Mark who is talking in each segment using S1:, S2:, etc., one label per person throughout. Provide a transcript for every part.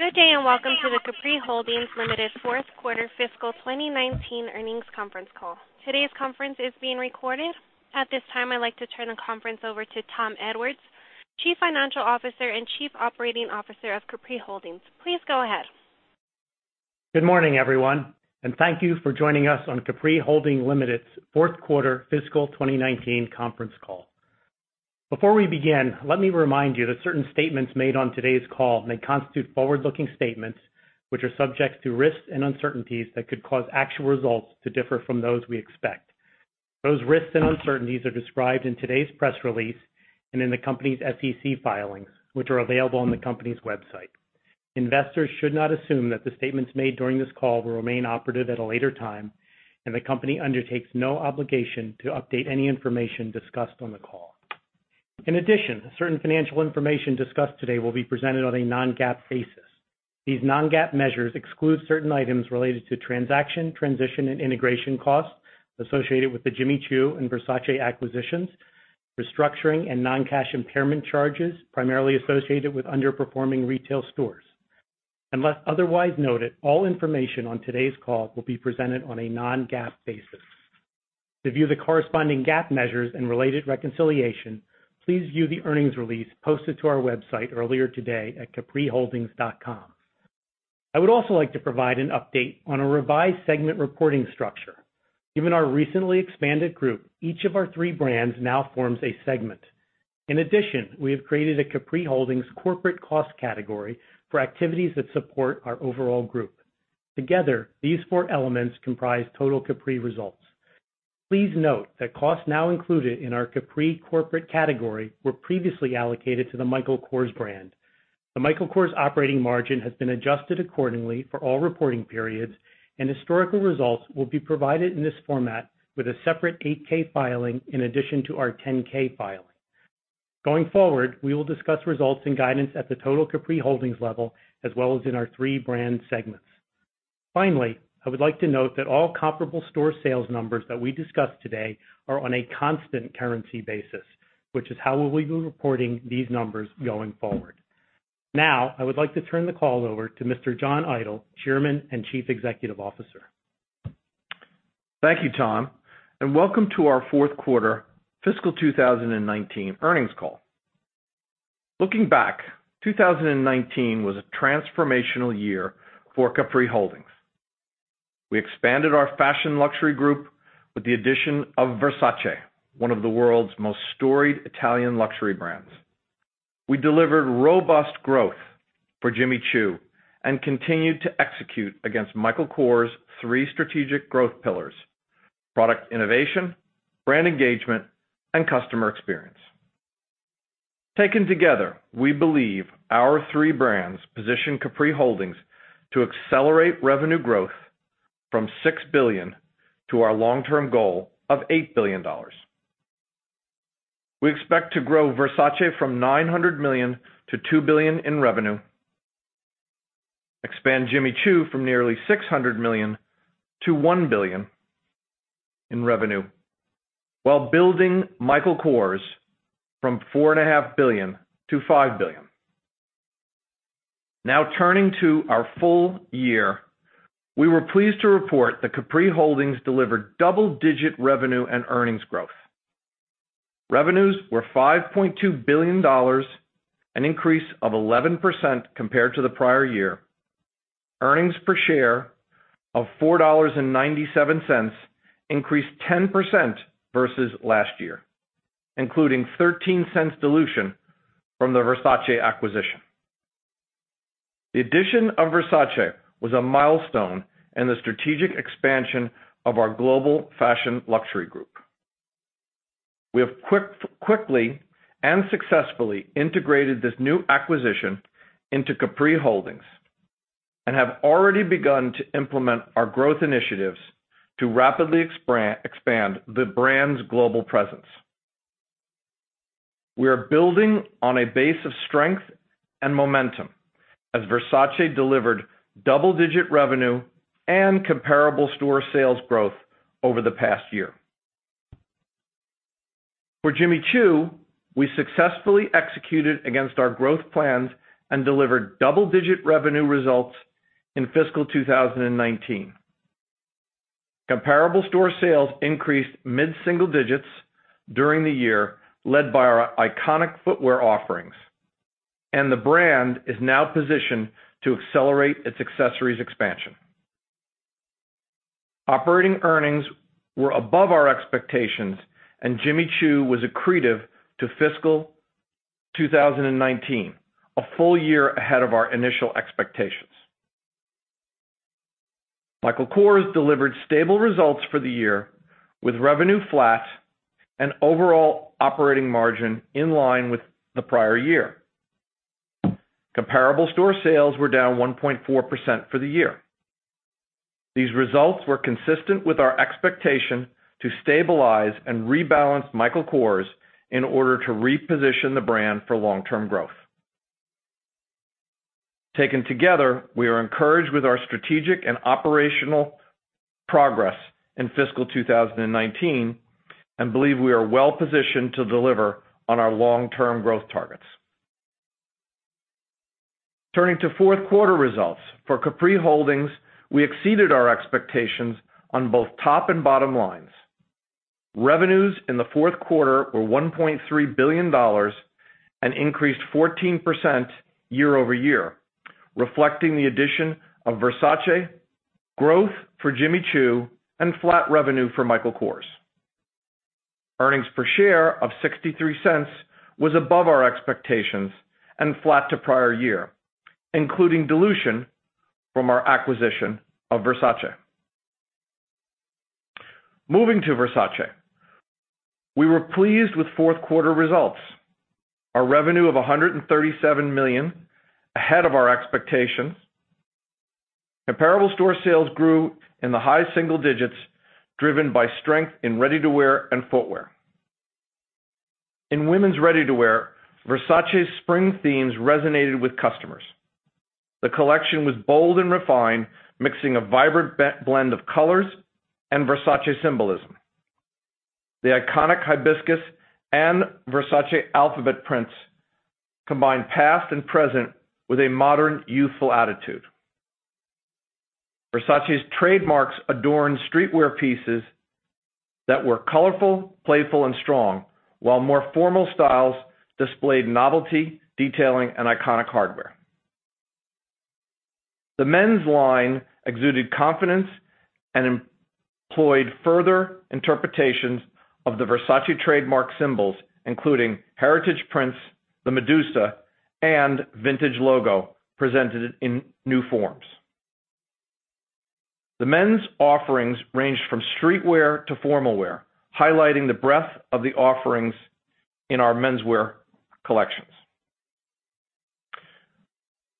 S1: Good day, and welcome to the Capri Holdings Limited fourth quarter fiscal 2019 earnings conference call. Today's conference is being recorded. At this time, I'd like to turn the conference over to Tom Edwards, Chief Financial Officer and Chief Operating Officer of Capri Holdings. Please go ahead.
S2: Good morning, everyone, thank you for joining us on Capri Holdings Limited's fourth quarter fiscal 2019 conference call. Before we begin, let me remind you that certain statements made on today's call may constitute forward-looking statements, which are subject to risks and uncertainties that could cause actual results to differ from those we expect. Those risks and uncertainties are described in today's press release and in the company's SEC filings, which are available on the company's website. Investors should not assume that the statements made during this call will remain operative at a later time, the company undertakes no obligation to update any information discussed on the call. In addition, certain financial information discussed today will be presented on a non-GAAP basis. These non-GAAP measures exclude certain items related to transaction, transition, and integration costs associated with the Jimmy Choo and Versace acquisitions, restructuring and non-cash impairment charges, primarily associated with underperforming retail stores. Unless otherwise noted, all information on today's call will be presented on a non-GAAP basis. To view the corresponding GAAP measures and related reconciliation, please view the earnings release posted to our website earlier today at capriholdings.com. I would also like to provide an update on a revised segment reporting structure. Given our recently expanded group, each of our three brands now forms a segment. In addition, we have created a Capri Holdings corporate cost category for activities that support our overall group. Together, these four elements comprise total Capri results. Please note that costs now included in our Capri corporate category were previously allocated to the Michael Kors brand. The Michael Kors operating margin has been adjusted accordingly for all reporting periods, historical results will be provided in this format with a separate 8-K filing in addition to our 10-K filing. Going forward, we will discuss results and guidance at the total Capri Holdings level, as well as in our three brand segments. Finally, I would like to note that all comparable store sales numbers that we discuss today are on a constant currency basis, which is how we will be reporting these numbers going forward. Now, I would like to turn the call over to Mr. John Idol, Chairman and Chief Executive Officer.
S3: Thank you, Tom, and welcome to our fourth quarter fiscal 2019 earnings call. Looking back, 2019 was a transformational year for Capri Holdings. We expanded our fashion luxury group with the addition of Versace, one of the world's most storied Italian luxury brands. We delivered robust growth for Jimmy Choo, and continued to execute against Michael Kors' three strategic growth pillars: product innovation, brand engagement, and customer experience. Taken together, we believe our three brands position Capri Holdings to accelerate revenue growth from $6 billion to our long-term goal of $8 billion. We expect to grow Versace from $900 million to $2 billion in revenue, expand Jimmy Choo from nearly $600 million to $1 billion in revenue, while building Michael Kors from $4.5 billion to $5 billion. Turning to our full year, we were pleased to report that Capri Holdings delivered double-digit revenue and earnings growth. Revenues were $5.2 billion, an increase of 11% compared to the prior year. Earnings per share of $4.97 increased 10% versus last year, including $0.13 dilution from the Versace acquisition. The addition of Versace was a milestone in the strategic expansion of our global fashion luxury group. We have quickly and successfully integrated this new acquisition into Capri Holdings and have already begun to implement our growth initiatives to rapidly expand the brand's global presence. We are building on a base of strength and momentum as Versace delivered double-digit revenue and comparable store sales growth over the past year. For Jimmy Choo, we successfully executed against our growth plans and delivered double-digit revenue results in fiscal 2019. Comparable store sales increased mid-single digits during the year, led by our iconic footwear offerings. The brand is now positioned to accelerate its accessories expansion. Operating earnings were above our expectations. Jimmy Choo was accretive to fiscal 2019, a full year ahead of our initial expectations. Michael Kors delivered stable results for the year, with revenue flat and overall operating margin in line with the prior year. Comparable store sales were down 1.4% for the year. These results were consistent with our expectation to stabilize and rebalance Michael Kors in order to reposition the brand for long-term growth. Taken together, we are encouraged with our strategic and operational progress in fiscal 2019. We believe we are well-positioned to deliver on our long-term growth targets. Turning to fourth quarter results. For Capri Holdings, we exceeded our expectations on both top and bottom lines. Revenues in the fourth quarter were $1.3 billion and increased 14% year over year, reflecting the addition of Versace, growth for Jimmy Choo, and flat revenue for Michael Kors. Earnings per share of $0.63 was above our expectations, flat to prior year, including dilution from our acquisition of Versace. Moving to Versace. We were pleased with fourth quarter results. Our revenue of $137 million, ahead of our expectations. Comparable store sales grew in the high single digits, driven by strength in ready-to-wear and footwear. In women's ready-to-wear, Versace's spring themes resonated with customers. The collection was bold and refined, mixing a vibrant blend of colors and Versace symbolism. The iconic hibiscus and Versace alphabet prints combined past and present with a modern, youthful attitude. Versace's trademarks adorned streetwear pieces that were colorful, playful, and strong, while more formal styles displayed novelty detailing and iconic hardware. The men's line exuded confidence and employed further interpretations of the Versace trademark symbols, including heritage prints, the Medusa, and vintage logo presented in new forms. The men's offerings ranged from streetwear to formal wear, highlighting the breadth of the offerings in our menswear collections.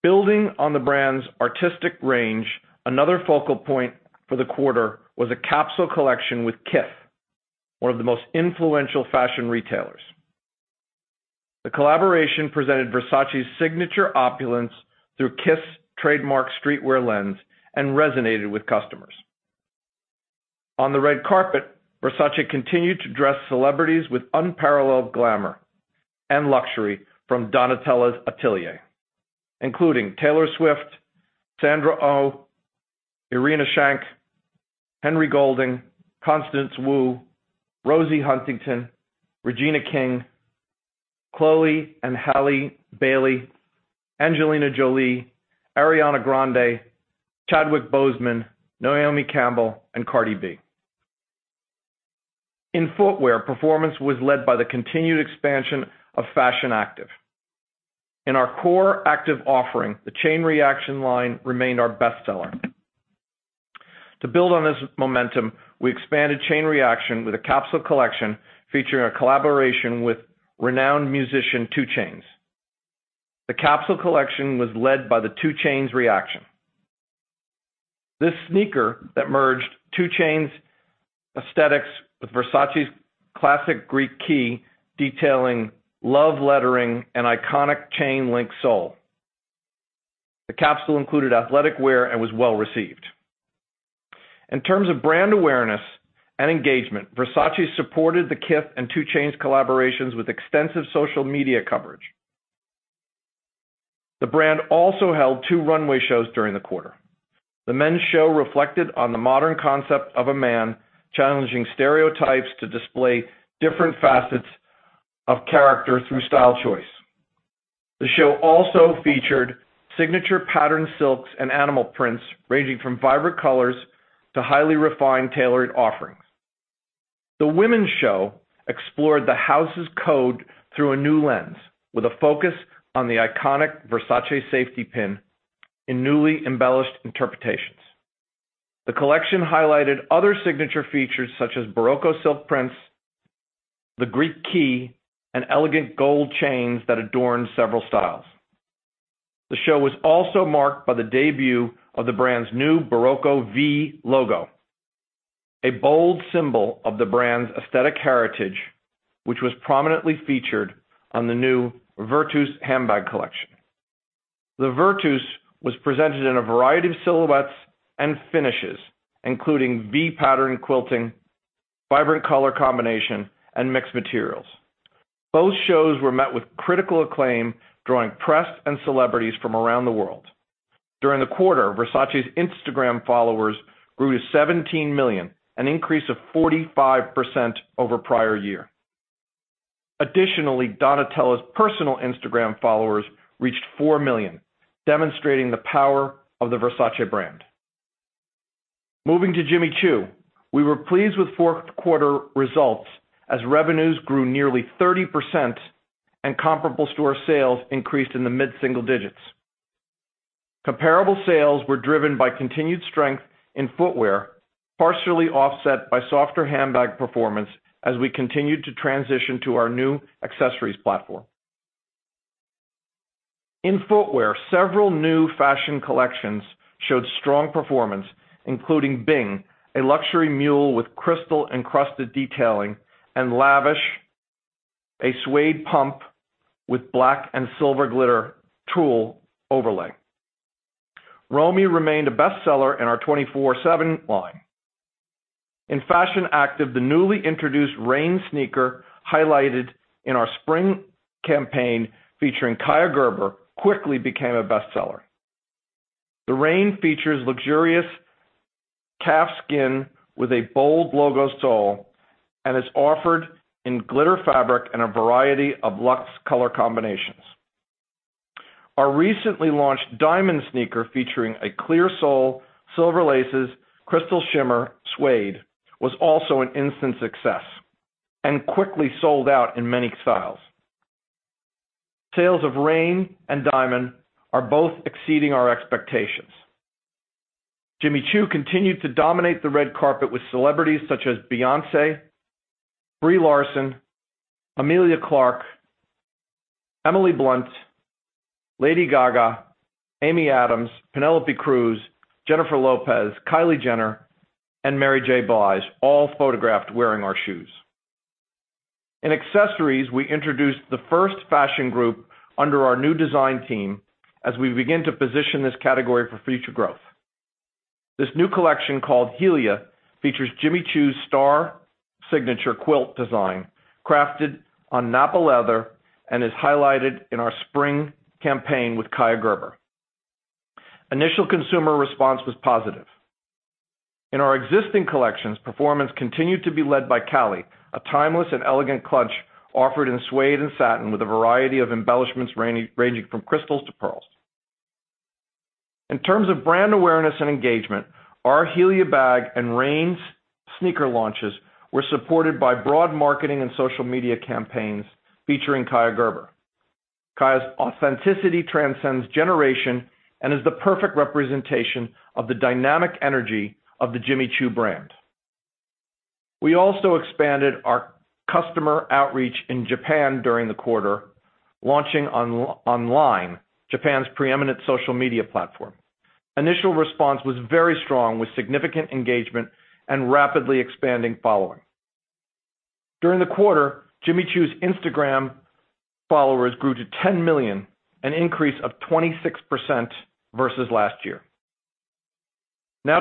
S3: Building on the brand's artistic range, another focal point for the quarter was a capsule collection with Kith, one of the most influential fashion retailers. The collaboration presented Versace's signature opulence through Kith's trademark streetwear lens and resonated with customers. On the red carpet, Versace continued to dress celebrities with unparalleled glamour and luxury from Donatella's atelier, including Taylor Swift, Sandra Oh, Irina Shayk, Henry Golding, Constance Wu, Rosie Huntington, Regina King, Chloe and Halle Bailey, Angelina Jolie, Ariana Grande, Chadwick Boseman, Naomi Campbell, and Cardi B. In footwear, performance was led by the continued expansion of Fashion Active. In our core active offering, the Chain Reaction line remained our best-seller. To build on this momentum, we expanded Chain Reaction with a capsule collection featuring a collaboration with renowned musician, 2 Chainz. The capsule collection was led by the 2 Chainz Reaction. This sneaker that merged 2 Chainz aesthetics with Versace's classic Greek key detailing, love lettering, and iconic chain link sole. The capsule included athletic wear and was well-received. In terms of brand awareness and engagement, Versace supported the Kith and 2 Chainz collaborations with extensive social media coverage. The brand also held two runway shows during the quarter. The men's show reflected on the modern concept of a man challenging stereotypes to display different facets of character through style choice. The show also featured signature patterned silks and animal prints ranging from vibrant colors to highly refined tailored offerings. The women's show explored the house's code through a new lens with a focus on the iconic Versace safety pin in newly embellished interpretations. The collection highlighted other signature features such as Barocco silk prints, the Greek key, and elegant gold chains that adorned several styles. The show was also marked by the debut of the brand's new Barocco V logo, a bold symbol of the brand's aesthetic heritage, which was prominently featured on the new Virtus handbag collection. The Virtus was presented in a variety of silhouettes and finishes, including V pattern quilting, vibrant color combination, and mixed materials. Both shows were met with critical acclaim, drawing press and celebrities from around the world. During the quarter, Versace's Instagram followers grew to 17 million, an increase of 45% over prior year. Additionally, Donatella's personal Instagram followers reached four million, demonstrating the power of the Versace brand. Moving to Jimmy Choo. We were pleased with fourth quarter results as revenues grew nearly 30% and comparable store sales increased in the mid-single digits. Comparable sales were driven by continued strength in footwear, partially offset by softer handbag performance as we continued to transition to our new accessories platform. In footwear, several new fashion collections showed strong performance, including Bing, a luxury mule with crystal-encrusted detailing, and Lavish, a suede pump with black and silver glitter tulle overlay. Romy remained a best-seller in our 24/7 line. In Fashion Active, the newly introduced Reign sneaker, highlighted in our spring campaign featuring Kaia Gerber, quickly became a best-seller. The Reign features luxurious calfskin with a bold logo sole and is offered in glitter fabric in a variety of luxe color combinations. Our recently launched Diamond sneaker, featuring a clear sole, silver laces, crystal shimmer suede, was also an instant success and quickly sold out in many styles. Sales of Reign and Diamond are both exceeding our expectations. Jimmy Choo continued to dominate the red carpet with celebrities such as Beyoncé, Brie Larson, Emilia Clarke, Emily Blunt, Lady Gaga, Amy Adams, Penélope Cruz, Jennifer Lopez, Kylie Jenner, and Mary J. Blige, all photographed wearing our shoes. In accessories, we introduced the first fashion group under our new design team as we begin to position this category for future growth. This new collection, called Helia, features Jimmy Choo's star signature quilt design crafted on Nappa leather and is highlighted in our spring campaign with Kaia Gerber. Initial consumer response was positive. In our existing collections, performance continued to be led by Callie, a timeless and elegant clutch offered in suede and satin with a variety of embellishments ranging from crystals to pearls. In terms of brand awareness and engagement, our Helia bag and Reign sneaker launches were supported by broad marketing and social media campaigns featuring Kaia Gerber. Kaia's authenticity transcends generation and is the perfect representation of the dynamic energy of the Jimmy Choo brand. We also expanded our customer outreach in Japan during the quarter, launching on LINE, Japan's preeminent social media platform. Initial response was very strong with significant engagement and rapidly expanding following. During the quarter, Jimmy Choo's Instagram followers grew to 10 million, an increase of 26% versus last year.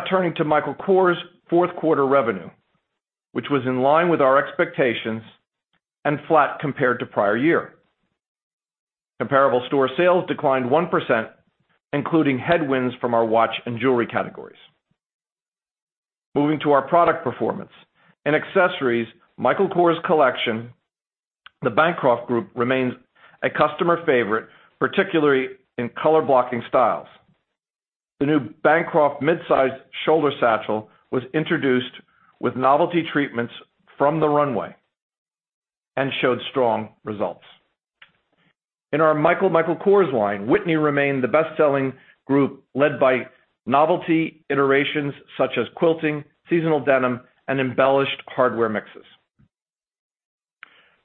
S3: Turning to Michael Kors' fourth-quarter revenue, which was in line with our expectations and flat compared to prior year. Comparable store sales declined 1%, including headwinds from our watch and jewelry categories. Moving to our product performance. In accessories, Michael Kors Collection, the Bancroft group remains a customer favorite, particularly in color-blocking styles. The new Bancroft midsize shoulder satchel was introduced with novelty treatments from the runway and showed strong results. In our MICHAEL Michael Kors line, Whitney remained the best-selling group, led by novelty iterations such as quilting, seasonal denim, and embellished hardware mixes.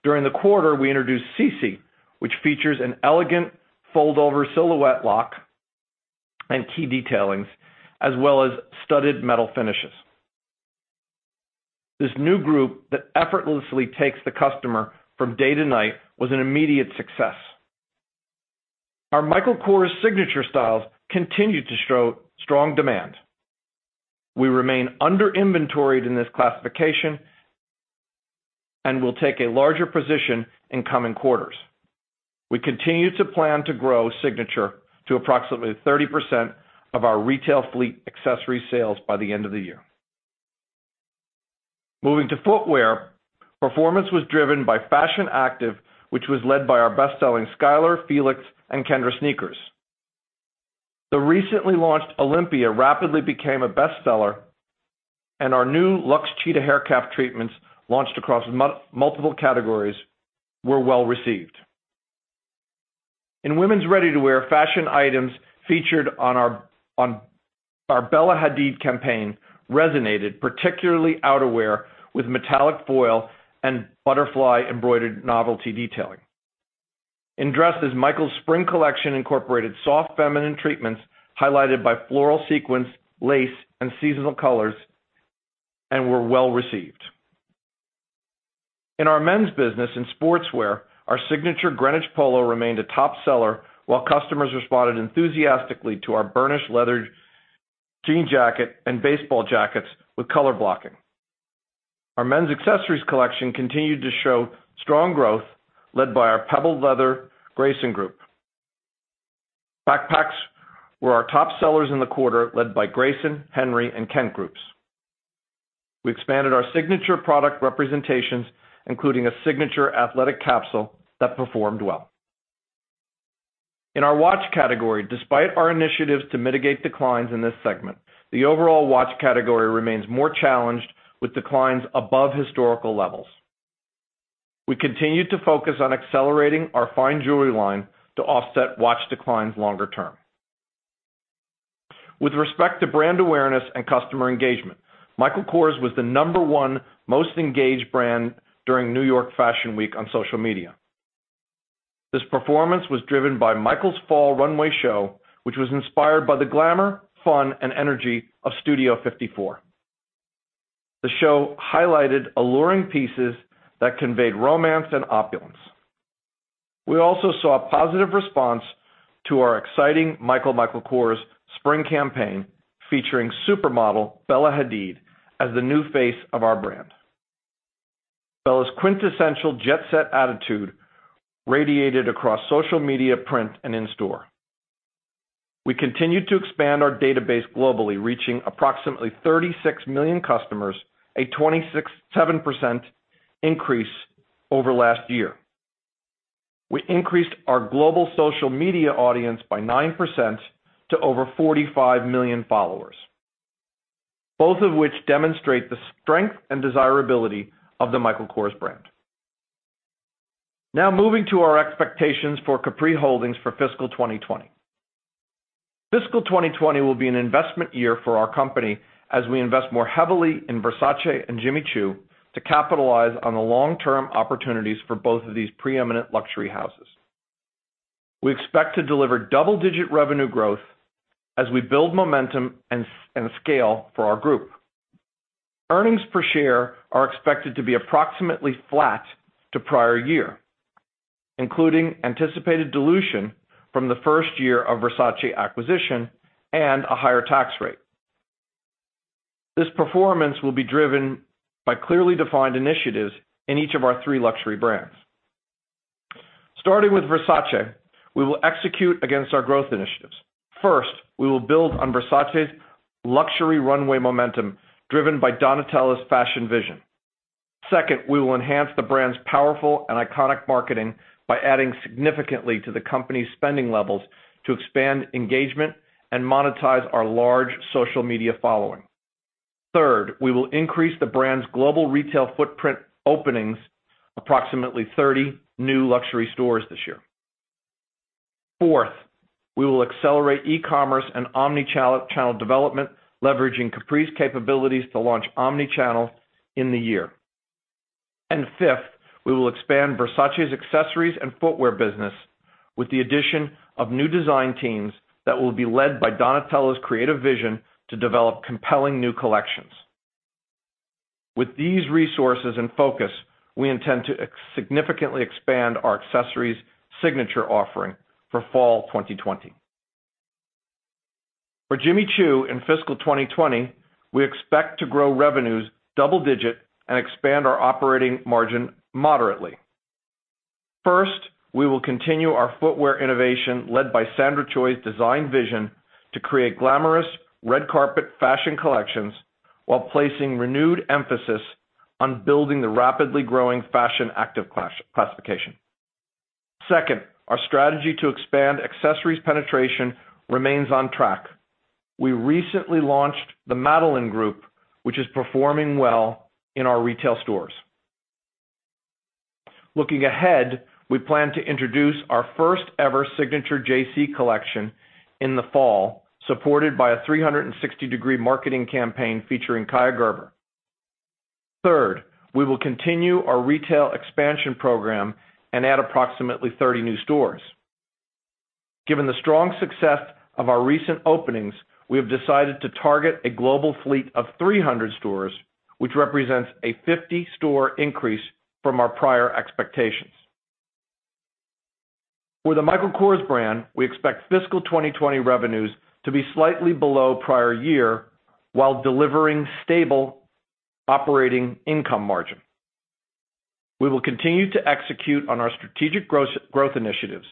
S3: During the quarter, we introduced Cece, which features an elegant fold-over silhouette lock and key detailings, as well as studded metal finishes. This new group that effortlessly takes the customer from day to night was an immediate success. Our Michael Kors Signature styles continued to show strong demand. We remain under-inventoried in this classification and will take a larger position in coming quarters. We continue to plan to grow Signature to approximately 30% of our retail fleet accessory sales by the end of the year. Moving to footwear, performance was driven by Fashion Active, which was led by our best-selling Skyler, Felix, and Kendra sneakers. The recently launched Olympia rapidly became a best-seller, and our new luxe cheetah haircalf treatments, launched across multiple categories, were well-received. In women's ready-to-wear fashion items featured on our Bella Hadid campaign resonated, particularly outerwear with metallic foil and butterfly embroidered novelty detailing. In dresses, Michael's spring collection incorporated soft, feminine treatments highlighted by floral sequins, lace, and seasonal colors and were well-received. In our men's business in sportswear, our Signature Greenwich polo remained a top seller while customers responded enthusiastically to our burnished leather jean jacket and baseball jackets with color blocking. Our men's accessories collection continued to show strong growth led by our pebbled leather Grayson group. Backpacks were our top sellers in the quarter, led by Grayson, Henry, and Kent groups. We expanded our Signature product representations, including a Signature athletic capsule that performed well. In our watch category, despite our initiatives to mitigate declines in this segment, the overall watch category remains more challenged with declines above historical levels. We continue to focus on accelerating our fine jewelry line to offset watch declines longer term. With respect to brand awareness and customer engagement, Michael Kors was the number 1 most engaged brand during New York Fashion Week on social media. This performance was driven by Michael's fall runway show, which was inspired by the glamour, fun, and energy of Studio 54. The show highlighted alluring pieces that conveyed romance and opulence. We also saw a positive response to our exciting MICHAEL Michael Kors spring campaign, featuring supermodel Bella Hadid as the new face of our brand. Bella's quintessential jet-set attitude radiated across social media, print, and in-store. We continued to expand our database globally, reaching approximately 36 million customers, a 27% increase over last year. We increased our global social media audience by 9% to over 45 million followers, both of which demonstrate the strength and desirability of the Michael Kors brand. Now moving to our expectations for Capri Holdings for fiscal 2020. Fiscal 2020 will be an investment year for our company as we invest more heavily in Versace and Jimmy Choo to capitalize on the long-term opportunities for both of these preeminent luxury houses. We expect to deliver double-digit revenue growth as we build momentum and scale for our group. Earnings per share are expected to be approximately flat to prior year, including anticipated dilution from the first year of Versace acquisition and a higher tax rate. This performance will be driven by clearly defined initiatives in each of our three luxury brands. Starting with Versace, we will execute against our growth initiatives. First, we will build on Versace's luxury runway momentum, driven by Donatella's fashion vision. Second, we will enhance the brand's powerful and iconic marketing by adding significantly to the company's spending levels to expand engagement and monetize our large social media following. Third, we will increase the brand's global retail footprint openings, approximately 30 new luxury stores this year. Fourth, we will accelerate e-commerce and omnichannel development, leveraging Capri's capabilities to launch omnichannel in the year. Fifth, we will expand Versace's accessories and footwear business with the addition of new design teams that will be led by Donatella's creative vision to develop compelling new collections. With these resources and focus, we intend to significantly expand our accessories Signature offering for fall 2020. For Jimmy Choo in fiscal 2020, we expect to grow revenues double digits and expand our operating margin moderately. First, we will continue our footwear innovation led by Sandra Choi's design vision to create glamorous red carpet fashion collections while placing renewed emphasis on building the rapidly growing Fashion Active classification. Second, our strategy to expand accessories penetration remains on track. We recently launched the Madeline group, which is performing well in our retail stores. Looking ahead, we plan to introduce our first ever Signature JC collection in the fall, supported by a 360-degree marketing campaign featuring Kaia Gerber. We will continue our retail expansion program and add approximately 30 new stores. Given the strong success of our recent openings, we have decided to target a global fleet of 300 stores, which represents a 50-store increase from our prior expectations. For the Michael Kors brand, we expect fiscal 2020 revenues to be slightly below prior year while delivering stable operating income margin. We will continue to execute on our strategic growth initiatives.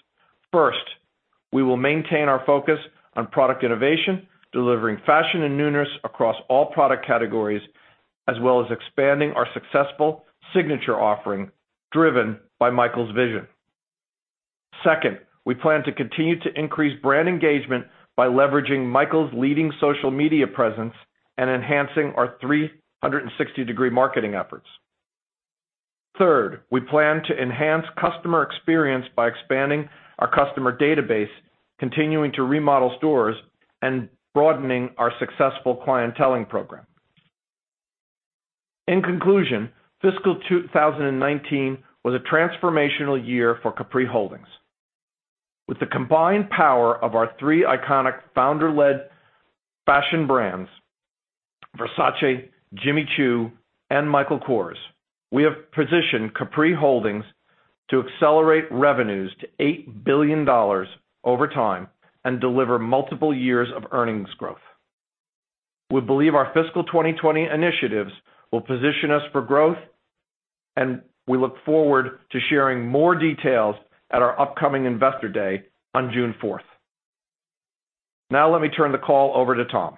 S3: We will maintain our focus on product innovation, delivering fashion and newness across all product categories, as well as expanding our successful Signature offering driven by Michael's vision. We plan to continue to increase brand engagement by leveraging Michael's leading social media presence and enhancing our 360-degree marketing efforts. We plan to enhance customer experience by expanding our customer database, continuing to remodel stores, and broadening our successful clienteling program. In conclusion, fiscal 2019 was a transformational year for Capri Holdings. With the combined power of our three iconic founder-led fashion brands, Versace, Jimmy Choo, and Michael Kors, we have positioned Capri Holdings to accelerate revenues to $8 billion over time and deliver multiple years of earnings growth. We believe our fiscal 2020 initiatives will position us for growth, and we look forward to sharing more details at our upcoming Investor Day on June 4th. Let me turn the call over to Tom.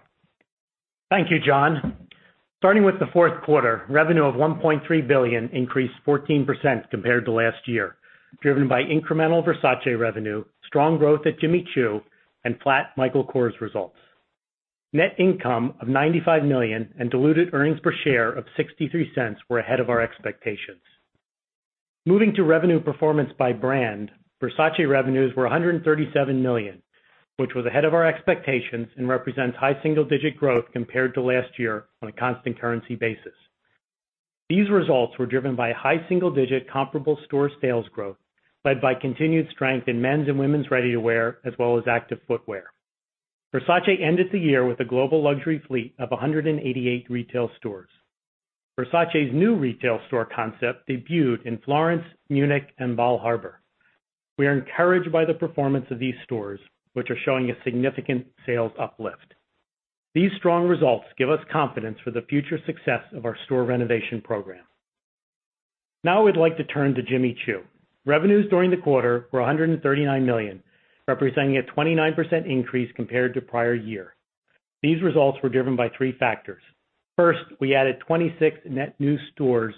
S2: Thank you, John. Starting with the fourth quarter, revenue of $1.3 billion increased 14% compared to last year, driven by incremental Versace revenue, strong growth at Jimmy Choo, and flat Michael Kors results. Net income of $95 million and diluted earnings per share of $0.63 were ahead of our expectations. Moving to revenue performance by brand, Versace revenues were $137 million, which was ahead of our expectations and represents high single-digit growth compared to last year on a constant currency basis. These results were driven by high single-digit comparable store sales growth, led by continued strength in men's and women's ready-to-wear as well as active footwear. Versace ended the year with a global luxury fleet of 188 retail stores. Versace's new retail store concept debuted in Florence, Munich, and Bal Harbour. We are encouraged by the performance of these stores, which are showing a significant sales uplift. These strong results give us confidence for the future success of our store renovation program. I'd like to turn to Jimmy Choo. Revenues during the quarter were $139 million, representing a 29% increase compared to prior year. These results were driven by three factors. We added 26 net new stores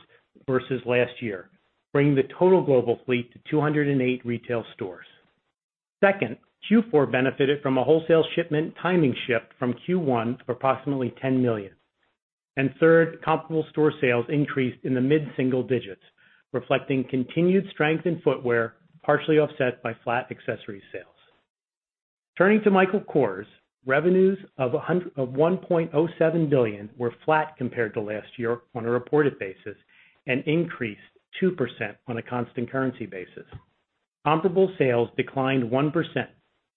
S2: versus last year, bringing the total global fleet to 208 retail stores. Q4 benefited from a wholesale shipment timing shift from Q1 of approximately $10 million. Comparable store sales increased in the mid-single digits, reflecting continued strength in footwear, partially offset by flat accessory sales. Turning to Michael Kors, revenues of $1.07 billion were flat compared to last year on a reported basis and increased 2% on a constant currency basis. Comparable sales declined 1%,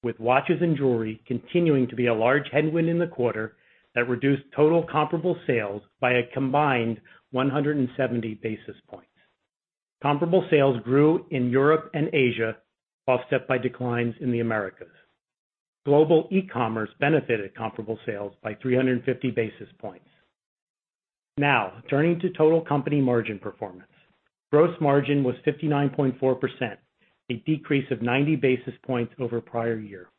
S2: with watches and jewelry continuing to be a large headwind in the quarter that reduced total comparable sales by a combined 170 basis points. Comparable sales grew in Europe and Asia, offset by declines in the Americas. Global e-commerce benefited comparable sales by 350 basis points. Turning to total company margin performance. Gross margin was 59.4%, a decrease of 90 basis points over prior year.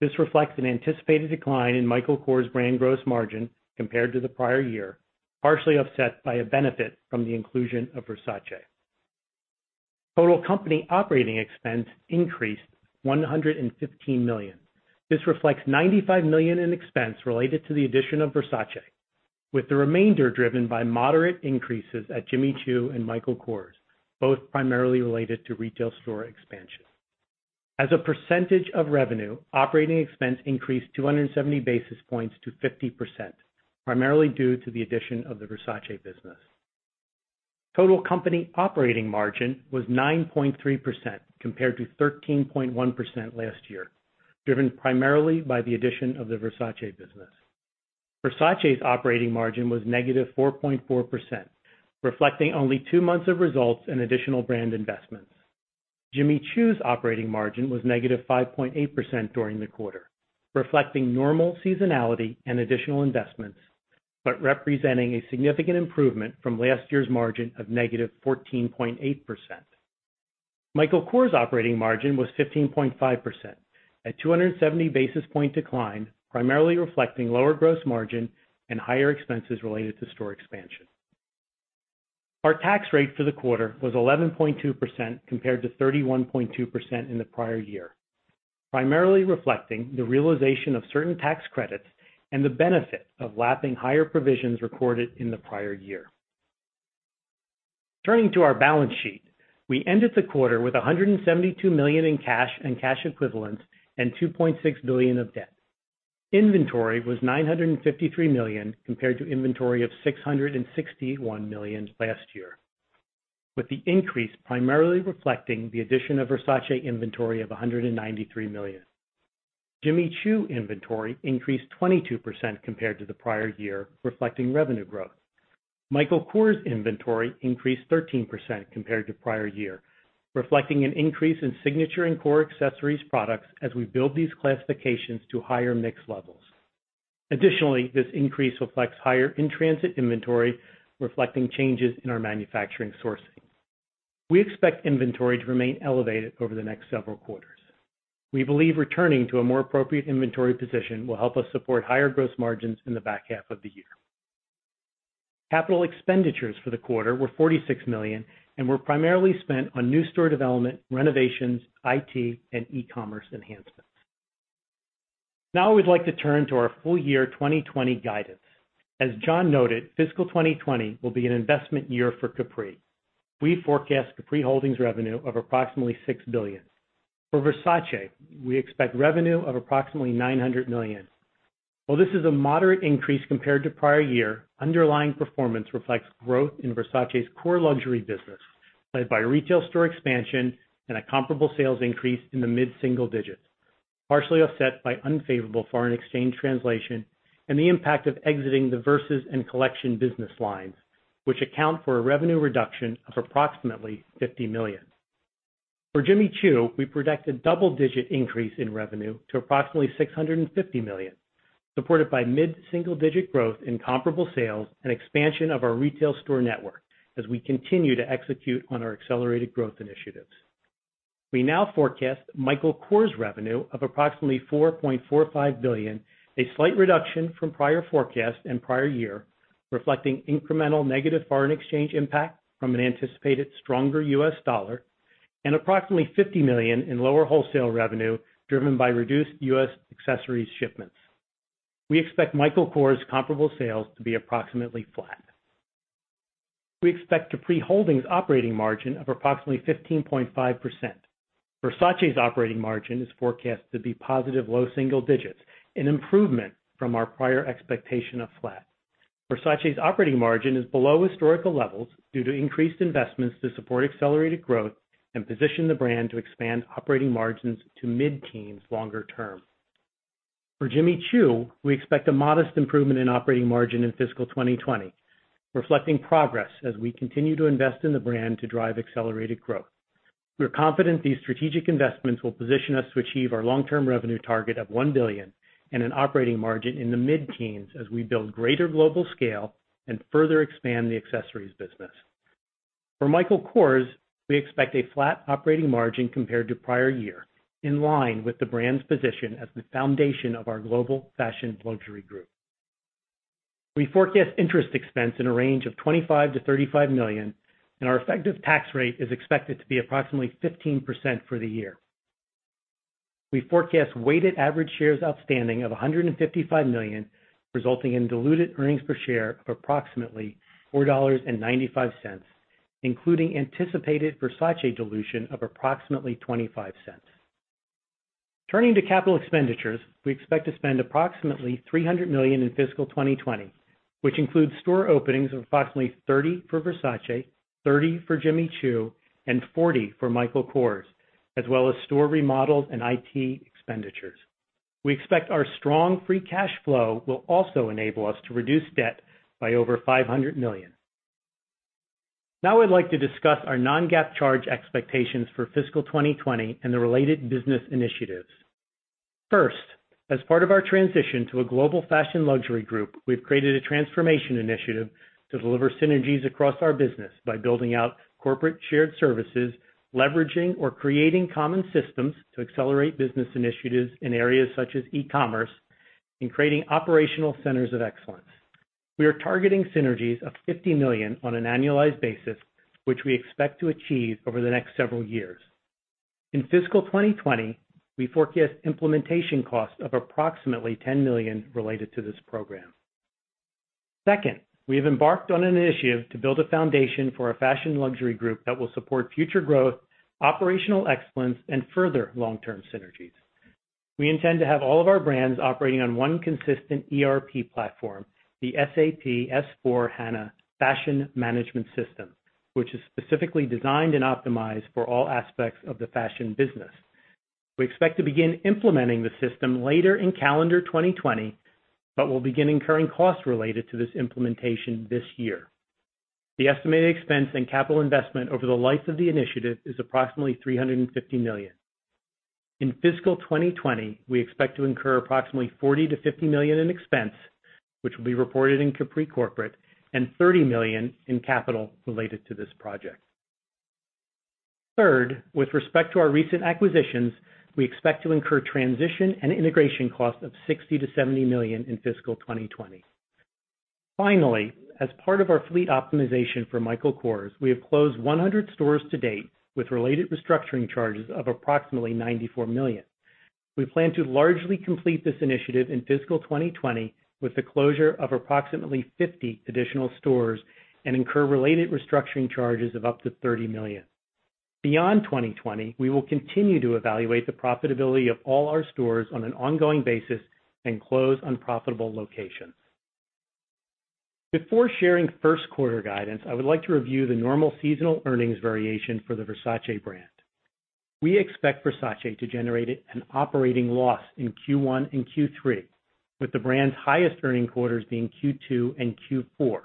S2: This reflects an anticipated decline in Michael Kors' brand gross margin compared to the prior year, partially offset by a benefit from the inclusion of Versace. Total company operating expense increased $115 million. This reflects $95 million in expense related to the addition of Versace, with the remainder driven by moderate increases at Jimmy Choo and Michael Kors, both primarily related to retail store expansion. As a percentage of revenue, operating expense increased 270 basis points to 50%, primarily due to the addition of the Versace business. Total company operating margin was 9.3% compared to 13.1% last year, driven primarily by the addition of the Versace business. Versace's operating margin was -4.4%, reflecting only two months of results in additional brand investments. Jimmy Choo's operating margin was -5.8% during the quarter, reflecting normal seasonality and additional investments, but representing a significant improvement from last year's margin of -14.8%. Michael Kors' operating margin was 15.5%, a 270 basis point decline, primarily reflecting lower gross margin and higher expenses related to store expansion. Our tax rate for the quarter was 11.2% compared to 31.2% in the prior year, primarily reflecting the realization of certain tax credits and the benefit of lapping higher provisions recorded in the prior year. Turning to our balance sheet. We ended the quarter with $172 million in cash and cash equivalents and $2.6 billion of debt. Inventory was $953 million, compared to inventory of $661 million last year, with the increase primarily reflecting the addition of Versace inventory of $193 million. Jimmy Choo inventory increased 22% compared to the prior year, reflecting revenue growth. Michael Kors inventory increased 13% compared to prior year, reflecting an increase in Signature and core accessories products as we build these classifications to higher mix levels. Additionally, this increase reflects higher in-transit inventory, reflecting changes in our manufacturing sourcing. We expect inventory to remain elevated over the next several quarters. We believe returning to a more appropriate inventory position will help us support higher gross margins in the back half of the year. Capital expenditures for the quarter were $46 million and were primarily spent on new store development, renovations, IT, and e-commerce enhancements. I'd like to turn to our full year 2020 guidance. As John noted, fiscal 2020 will be an investment year for Capri. We forecast Capri Holdings revenue of approximately $6 billion. For Versace, we expect revenue of approximately $900 million. While this is a moderate increase compared to prior year, underlying performance reflects growth in Versace's core luxury business, led by retail store expansion and a comparable sales increase in the mid-single digits, partially offset by unfavorable foreign exchange translation and the impact of exiting the Versus and Versace Collection business lines, which account for a revenue reduction of approximately $50 million. For Jimmy Choo, we project a double-digit increase in revenue to approximately $650 million, supported by mid-single digit growth in comparable sales and expansion of our retail store network as we continue to execute on our accelerated growth initiatives. We now forecast Michael Kors revenue of approximately $4.45 billion, a slight reduction from prior forecast and prior year, reflecting incremental negative foreign exchange impact from an anticipated stronger US dollar and approximately $50 million in lower wholesale revenue driven by reduced US accessories shipments. We expect Michael Kors' comparable sales to be approximately flat. We expect Capri Holdings operating margin of approximately 15.5%. Versace's operating margin is forecast to be positive low single digits, an improvement from our prior expectation of flat. Versace's operating margin is below historical levels due to increased investments to support accelerated growth and position the brand to expand operating margins to mid-teens longer term. For Jimmy Choo, we expect a modest improvement in operating margin in fiscal 2020, reflecting progress as we continue to invest in the brand to drive accelerated growth. We are confident these strategic investments will position us to achieve our long-term revenue target of $1 billion and an operating margin in the mid-teens as we build greater global scale and further expand the accessories business. For Michael Kors, we expect a flat operating margin compared to prior year, in line with the brand's position as the foundation of our global fashion luxury group. We forecast interest expense in a range of $25 million-$35 million, and our effective tax rate is expected to be approximately 15% for the year. We forecast weighted average shares outstanding of 155 million, resulting in diluted earnings per share of approximately $4.95, including anticipated Versace dilution of approximately $0.25. Turning to capital expenditures, we expect to spend approximately $300 million in fiscal 2020, which includes store openings of approximately 30 for Versace, 30 for Jimmy Choo, and 40 for Michael Kors, as well as store remodels and IT expenditures. We expect our strong free cash flow will also enable us to reduce debt by over $500 million. Now I'd like to discuss our non-GAAP charge expectations for fiscal 2020 and the related business initiatives. First, as part of our transition to a global fashion luxury group, we've created a transformation initiative to deliver synergies across our business by building out corporate shared services, leveraging or creating common systems to accelerate business initiatives in areas such as e-commerce, and creating operational centers of excellence. We are targeting synergies of $50 million on an annualized basis, which we expect to achieve over the next several years. In fiscal 2020, we forecast implementation costs of approximately $10 million related to this program. Second, we have embarked on an initiative to build a foundation for a fashion luxury group that will support future growth, operational excellence, and further long-term synergies. We intend to have all of our brands operating on one consistent ERP platform, the SAP S/4HANA for Fashion and Vertical Business, which is specifically designed and optimized for all aspects of the fashion business. We expect to begin implementing the system later in calendar 2020, but will begin incurring costs related to this implementation this year. The estimated expense in capital investment over the life of the initiative is approximately $350 million. In fiscal 2020, we expect to incur approximately $40 million-$50 million in expense, which will be reported in Capri Corporate, and $30 million in capital related to this project. Third, with respect to our recent acquisitions, we expect to incur transition and integration costs of $60 million-$70 million in fiscal 2020. Finally, as part of our fleet optimization for Michael Kors, we have closed 100 stores to date with related restructuring charges of approximately $94 million. We plan to largely complete this initiative in fiscal 2020 with the closure of approximately 50 additional stores and incur related restructuring charges of up to $30 million. Beyond 2020, we will continue to evaluate the profitability of all our stores on an ongoing basis and close unprofitable locations. Before sharing first quarter guidance, I would like to review the normal seasonal earnings variation for the Versace brand. We expect Versace to generate an operating loss in Q1 and Q3, with the brand's highest earning quarters being Q2 and Q4.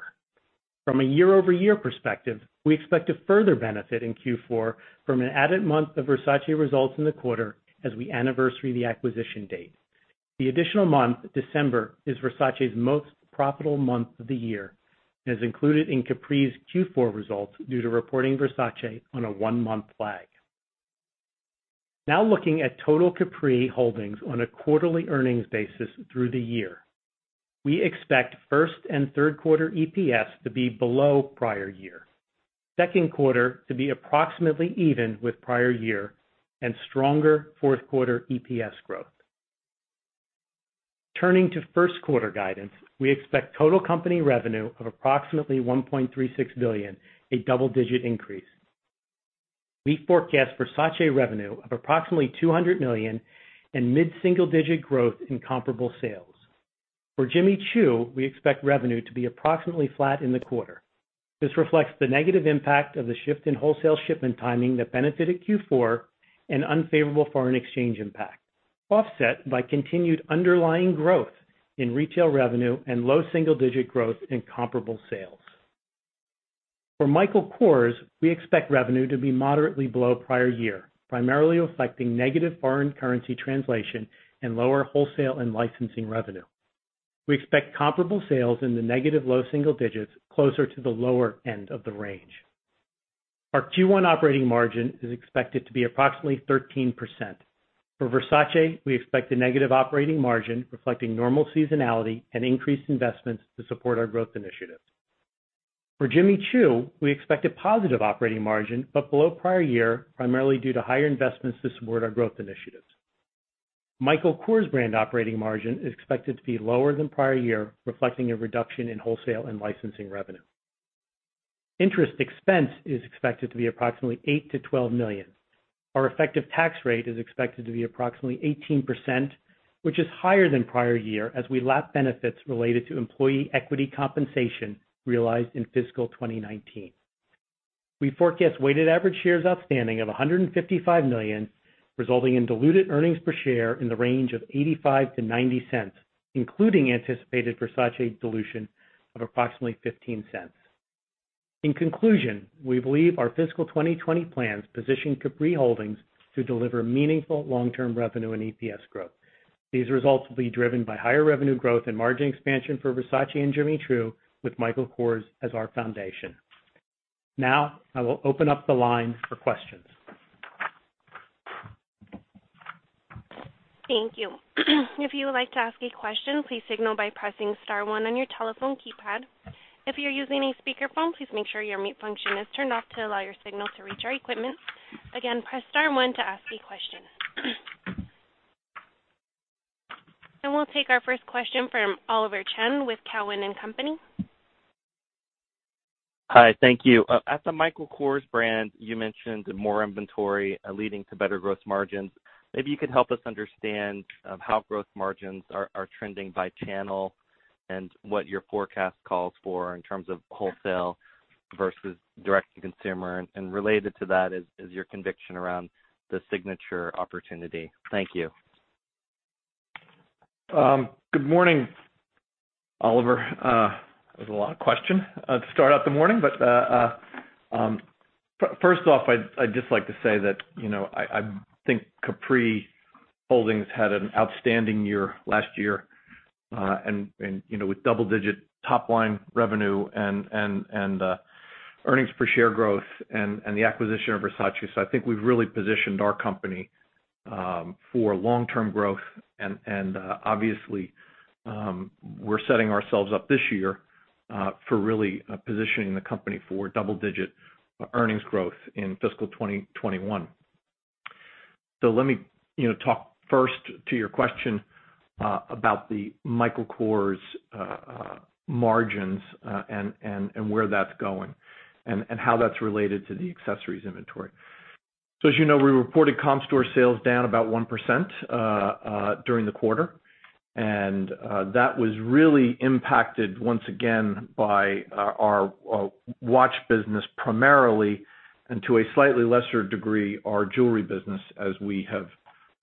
S2: From a year-over-year perspective, we expect to further benefit in Q4 from an added month of Versace results in the quarter as we anniversary the acquisition date. The additional month, December, is Versace's most profitable month of the year and is included in Capri's Q4 results due to reporting Versace on a one-month lag. Looking at total Capri Holdings on a quarterly earnings basis through the year. We expect first and third quarter EPS to be below prior year, second quarter to be approximately even with prior year, and stronger fourth quarter EPS growth. Turning to first quarter guidance, we expect total company revenue of approximately $1.36 billion, a double-digit increase. We forecast Versace revenue of approximately $200 million and mid-single-digit growth in comparable sales. For Jimmy Choo, we expect revenue to be approximately flat in the quarter. This reflects the negative impact of the shift in wholesale shipment timing that benefited Q4 and unfavorable foreign exchange impact, offset by continued underlying growth in retail revenue and low double-digit growth in comparable sales. For Michael Kors, we expect revenue to be moderately below prior year, primarily reflecting negative foreign currency translation and lower wholesale and licensing revenue. We expect comparable sales in the negative low single digits, closer to the lower end of the range. Our Q1 operating margin is expected to be approximately 13%. For Versace, we expect a negative operating margin, reflecting normal seasonality and increased investments to support our growth initiatives. For Jimmy Choo, we expect a positive operating margin, but below prior year, primarily due to higher investments to support our growth initiatives. Michael Kors brand operating margin is expected to be lower than prior year, reflecting a reduction in wholesale and licensing revenue. Interest expense is expected to be approximately $8 million-$12 million. Our effective tax rate is expected to be approximately 18%, which is higher than prior year as we lap benefits related to employee equity compensation realized in fiscal 2019. We forecast weighted average shares outstanding of 155 million, resulting in diluted earnings per share in the range of $0.85-$0.90, including anticipated Versace dilution of approximately $0.15. In conclusion, we believe our fiscal 2020 plans position Capri Holdings to deliver meaningful long-term revenue and EPS growth. These results will be driven by higher revenue growth and margin expansion for Versace and Jimmy Choo, with Michael Kors as our foundation. I will open up the line for questions.
S1: Thank you. If you would like to ask a question, please signal by pressing *1 on your telephone keypad. If you're using a speakerphone, please make sure your mute function is turned off to allow your signal to reach our equipment. Again, press *1 to ask a question. We'll take our first question from Oliver Chen with Cowen and Company.
S4: Hi. Thank you. At the Michael Kors brand, you mentioned more inventory leading to better gross margins. Maybe you could help us understand how gross margins are trending by channel, and what your forecast calls for in terms of wholesale versus direct-to-consumer. Related to that is your conviction around the Signature opportunity. Thank you.
S3: Good morning, Oliver. That was a lot of question to start out the morning. First off, I'd just like to say that I think Capri Holdings had an outstanding year last year, with double-digit top-line revenue and earnings-per-share growth and the acquisition of Versace. I think we've really positioned our company for long-term growth, and obviously, we're setting ourselves up this year for really positioning the company for double-digit earnings growth in fiscal 2021. Let me talk first to your question about the Michael Kors margins and where that's going, and how that's related to the accessories inventory. As you know, we reported comp store sales down about 1% during the quarter. That was really impacted, once again, by our watch business primarily, and to a slightly lesser degree, our jewelry business, as we have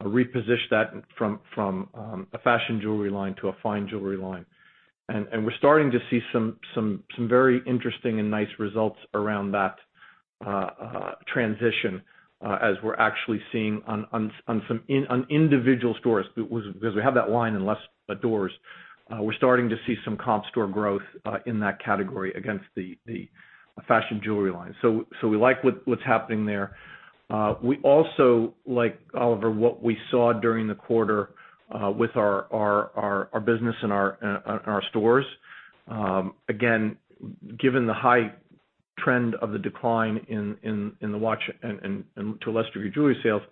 S3: repositioned that from a fashion jewelry line to a fine jewelry line. We're starting to see some very interesting and nice results around that transition as we're actually seeing on individual stores, because we have that line in less doors. We're starting to see some comp store growth in that category against the fashion jewelry line. We like what's happening there. We also like, Oliver, what we saw during the quarter with our business and our stores. Again, given the high trend of the decline in the watch and to a lesser degree, jewelry sales,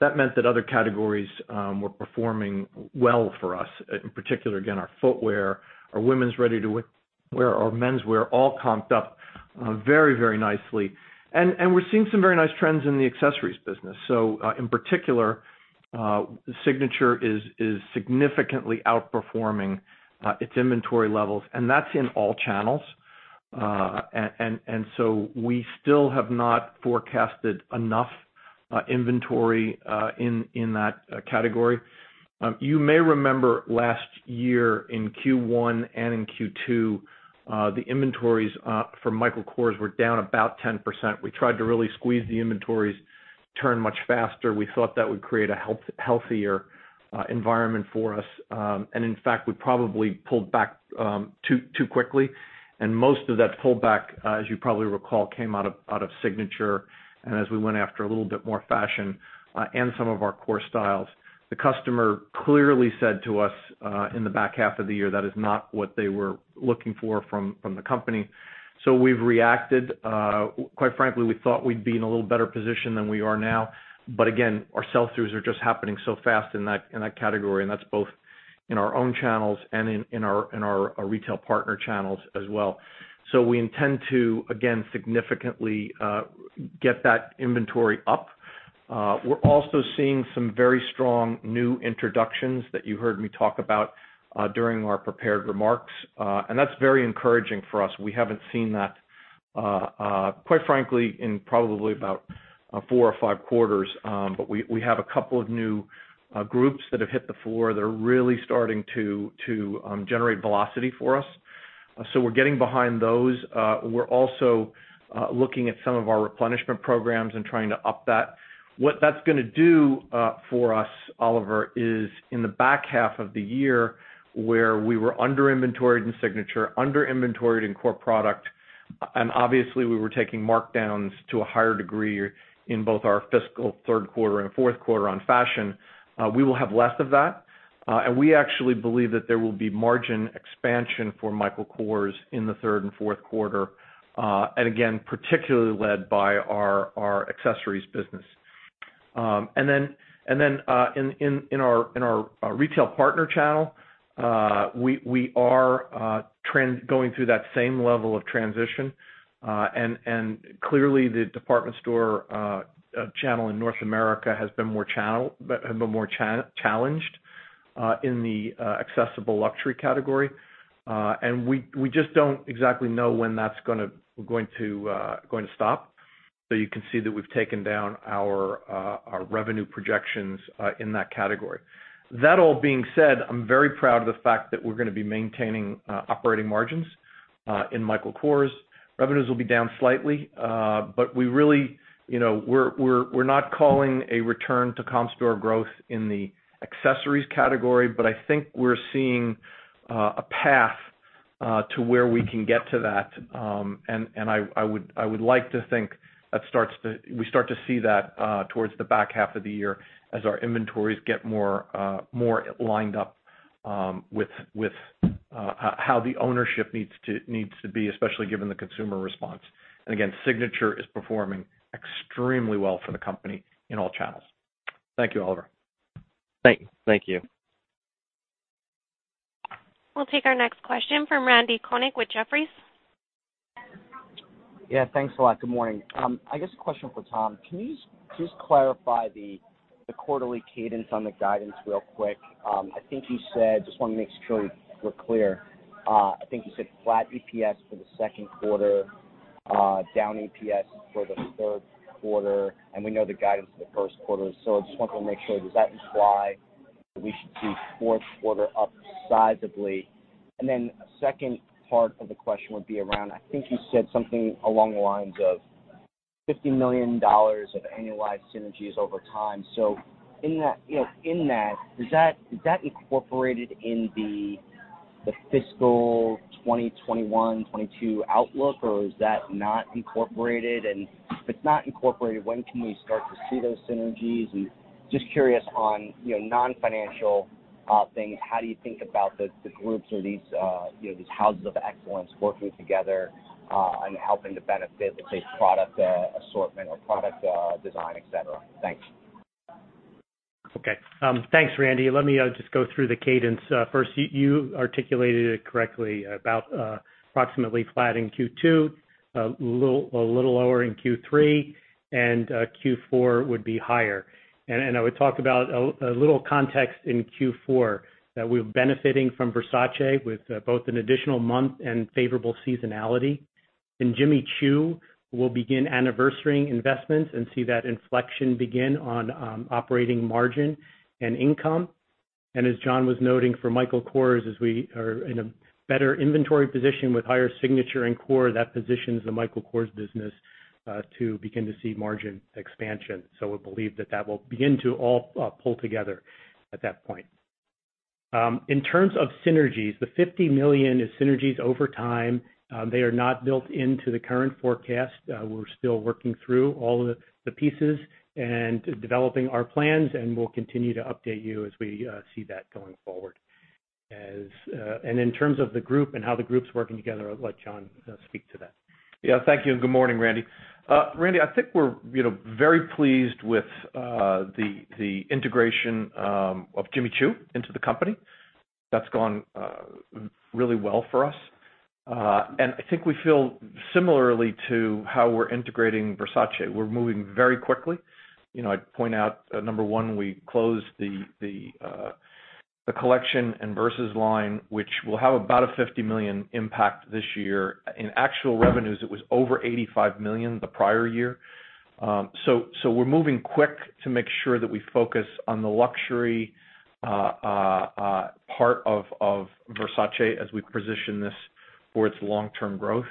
S3: that meant that other categories were performing well for us. In particular, again, our footwear, our women's ready-to-wear, our menswear all comped up very nicely. We're seeing some very nice trends in the accessories business. In particular, Signature is significantly outperforming its inventory levels, and that's in all channels. We still have not forecasted enough inventory in that category. You may remember last year in Q1 and in Q2, the inventories for Michael Kors were down about 10%. We tried to really squeeze the inventories, turn much faster. We thought that would create a healthier environment for us. In fact, we probably pulled back too quickly, and most of that pullback, as you probably recall, came out of Signature. As we went after a little bit more fashion and some of our core styles, the customer clearly said to us in the back half of the year, that is not what they were looking for from the company. We've reacted. Quite frankly, we thought we'd be in a little better position than we are now. Again, our sell-throughs are just happening so fast in that category, and that's both in our own channels and in our retail partner channels as well. We intend to, again, significantly get that inventory up. We're also seeing some very strong new introductions that you heard me talk about during our prepared remarks. That's very encouraging for us. We haven't seen that, quite frankly, in probably about four or five quarters. We have a couple of new groups that have hit the floor that are really starting to generate velocity for us. We're getting behind those. We're also looking at some of our replenishment programs and trying to up that. What that's going to do for us, Oliver, is in the back half of the year where we were under-inventoried in Signature, under-inventoried in core product, and obviously, we were taking markdowns to a higher degree in both our fiscal third quarter and fourth quarter on fashion, we will have less of that. We actually believe that there will be margin expansion for Michael Kors in the third and fourth quarter. Again, particularly led by our accessories business. In our retail partner channel, we are going through that same level of transition. Clearly, the department store channel in North America has been more challenged in the accessible luxury category. We just don't exactly know when that's going to stop. You can see that we've taken down our revenue projections in that category. That all being said, I'm very proud of the fact that we're going to be maintaining operating margins in Michael Kors. Revenues will be down slightly. We're not calling a return to comp store growth in the accessories category, but I think we're seeing a path to where we can get to that. I would like to think we start to see that towards the back half of the year as our inventories get more lined up with how the ownership needs to be, especially given the consumer response. Again, Signature is performing extremely well for the company in all channels. Thank you, Oliver.
S2: Thank you.
S1: We'll take our next question from Randal Konik with Jefferies.
S5: Yeah, thanks a lot. Good morning. I guess a question for Tom. Can you just clarify the quarterly cadence on the guidance real quick? I just want to make sure we're clear. I think you said flat EPS for the second quarter, down EPS for the third quarter, and we know the guidance for the first quarter. Does that imply that we should see fourth quarter up sizably? A second part of the question would be around, I think you said something along the lines of $50 million of annualized synergies over time. In that, is that incorporated in the fiscal 2021-2022 outlook, or is that not incorporated? If it's not incorporated, when can we start to see those synergies? Just curious on non-financial things, how do you think about the groups or these houses of excellence working together and helping to benefit with a product assortment or product design, et cetera? Thanks.
S2: Okay. Thanks, Randy. Let me just go through the cadence. First, you articulated it correctly about approximately flat in Q2, a little lower in Q3, and Q4 would be higher. I would talk about a little context in Q4, that we're benefiting from Versace with both an additional month and favorable seasonality. In Jimmy Choo, we'll begin anniversarying investments and see that inflection begin on operating margin and income. As John was noting for Michael Kors, as we are in a better inventory position with higher Signature and Kors, that positions the Michael Kors business to begin to see margin expansion. We believe that will begin to all pull together at that point. In terms of synergies, the $50 million is synergies over time. They are not built into the current forecast. We're still working through all of the pieces and developing our plans, and we'll continue to update you as we see that going forward. In terms of the group and how the group's working together, I'll let John speak to that.
S3: Thank you, and good morning, Randy. Randy, I think we're very pleased with the integration of Jimmy Choo into the company. That's gone really well for us. I think we feel similarly to how we're integrating Versace. We're moving very quickly. I'd point out, number one, we closed the Versace Collection and Versus line, which will have about a $50 million impact this year. In actual revenues, it was over $85 million the prior year. We're moving quick to make sure that we focus on the luxury part of Versace as we position this for its long-term growth.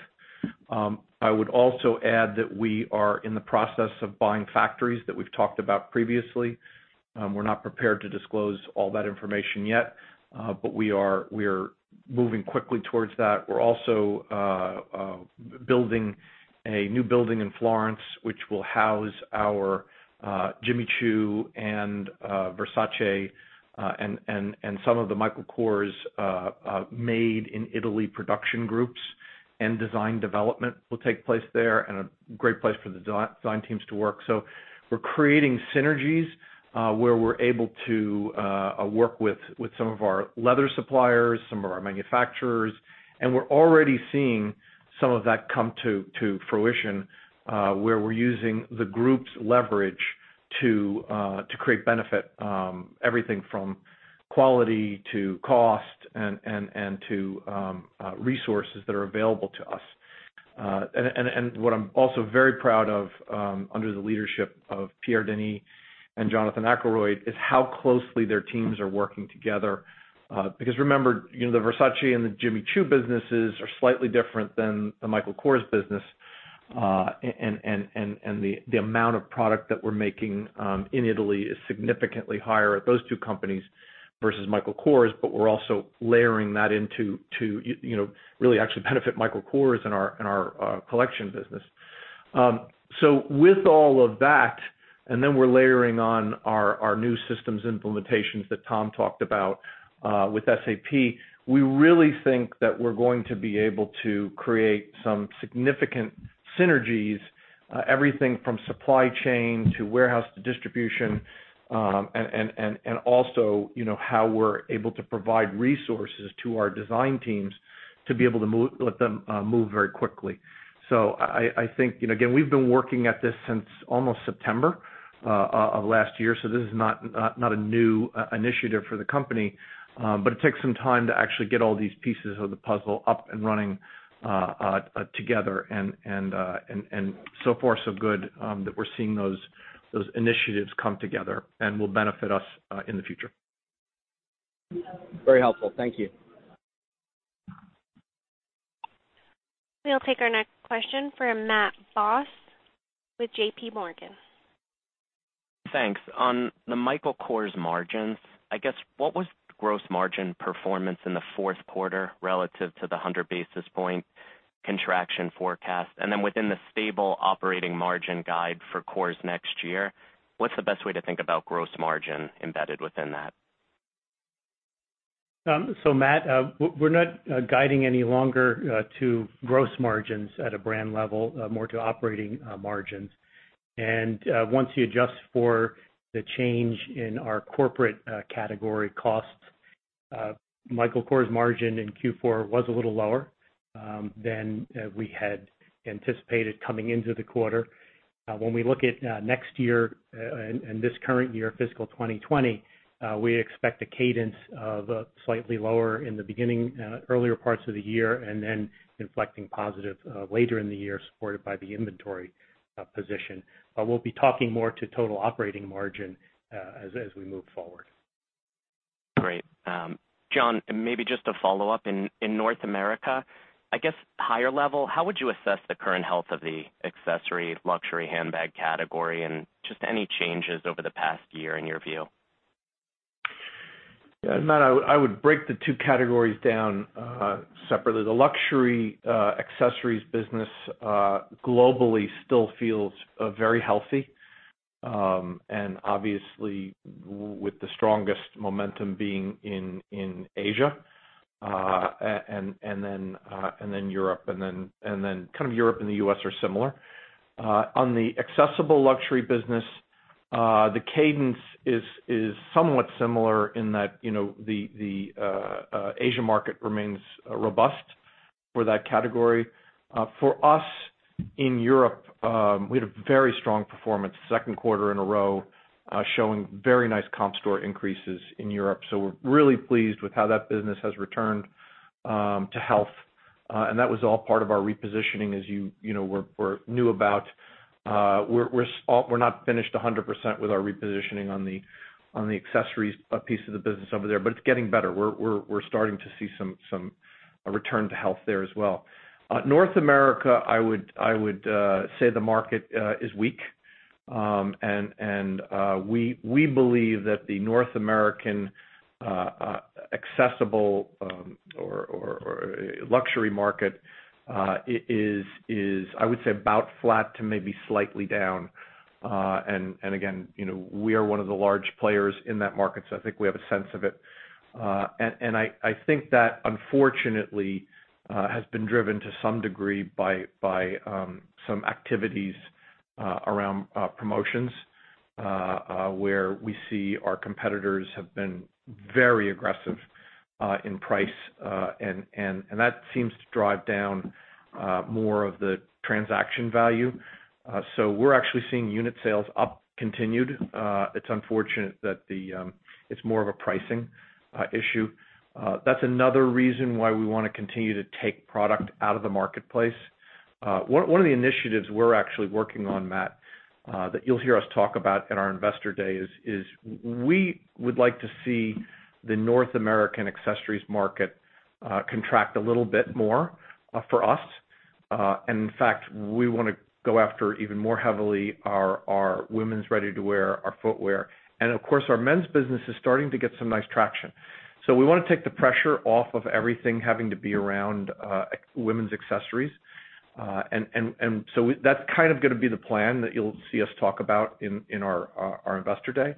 S3: I would also add that we are in the process of buying factories that we've talked about previously. We're not prepared to disclose all that information yet, but we are moving quickly towards that. We're also building a new building in Florence, which will house our Jimmy Choo and Versace, and some of the Michael Kors made-in-Italy production groups, and design development will take place there, and a great place for the design teams to work. We're creating synergies where we're able to work with some of our leather suppliers, some of our manufacturers, and we're already seeing some of that come to fruition where we're using the group's leverage to create benefit, everything from quality to cost and to resources that are available to us. What I'm also very proud of under the leadership of Pierre Denis and Jonathan Akeroyd is how closely their teams are working together. Remember, the Versace and the Jimmy Choo businesses are slightly different than the Michael Kors business. The amount of product that we're making in Italy is significantly higher at those two companies versus Michael Kors. We're also layering that into really actually benefit Michael Kors and our collection business. With all of that, then we're layering on our new systems implementations that Tom talked about with SAP, we really think that we're going to be able to create some significant synergies. Everything from supply chain to warehouse to distribution, and also how we're able to provide resources to our design teams to be able to let them move very quickly. I think, again, we've been working at this since almost September of last year, this is not a new initiative for the company. It takes some time to actually get all these pieces of the puzzle up and running together and so far, so good, that we're seeing those initiatives come together and will benefit us in the future.
S5: Very helpful. Thank you.
S1: We'll take our next question from Matt Boss with JPMorgan.
S6: Thanks. On the Michael Kors margins, I guess, what was gross margin performance in the fourth quarter relative to the 100 basis point contraction forecast? Then within the stable operating margin guide for Kors next year, what's the best way to think about gross margin embedded within that?
S2: Matt, we're not guiding any longer to gross margins at a brand level, more to operating margins. Once you adjust for the change in our corporate category costs, Michael Kors margin in Q4 was a little lower than we had anticipated coming into the quarter. When we look at next year and this current year, fiscal 2020, we expect a cadence of slightly lower in the beginning, earlier parts of the year, then inflecting positive later in the year, supported by the inventory position. We'll be talking more to total operating margin as we move forward.
S6: Great. John, maybe just a follow-up. In North America, I guess, higher level, how would you assess the current health of the accessory luxury handbag category and just any changes over the past year in your view?
S3: Yeah. Matt, I would break the two categories down separately. The luxury accessories business globally still feels very healthy. Obviously, with the strongest momentum being in Asia, then Europe and then kind of Europe and the U.S. are similar. On the accessible luxury business, the cadence is somewhat similar in that the Asia market remains robust for that category. For us in Europe, we had a very strong performance, second quarter in a row, showing very nice comp store increases in Europe. We're really pleased with how that business has returned to health. That was all part of our repositioning, as you know or knew about. We're not finished 100% with our repositioning on the accessories piece of the business over there, but it's getting better. We're starting to see some return to health there as well. North America, I would say the market is weak. We believe that the North American accessible or luxury market is, I would say, about flat to maybe slightly down. Again, we are one of the large players in that market, so I think we have a sense of it. I think that unfortunately has been driven to some degree by some activities around promotions, where we see our competitors have been very aggressive in price. That seems to drive down more of the transaction value. We're actually seeing unit sales up continued. It's unfortunate that it's more of a pricing issue. That's another reason why we want to continue to take product out of the marketplace. One of the initiatives we're actually working on, Matt, that you'll hear us talk about at our investor day is we would like to see the North American accessories market contract a little bit more for us. In fact, we want to go after even more heavily our women's ready-to-wear, our footwear, and of course, our men's business is starting to get some nice traction. We want to take the pressure off of everything having to be around women's accessories. That's kind of going to be the plan that you'll see us talk about in our investor day.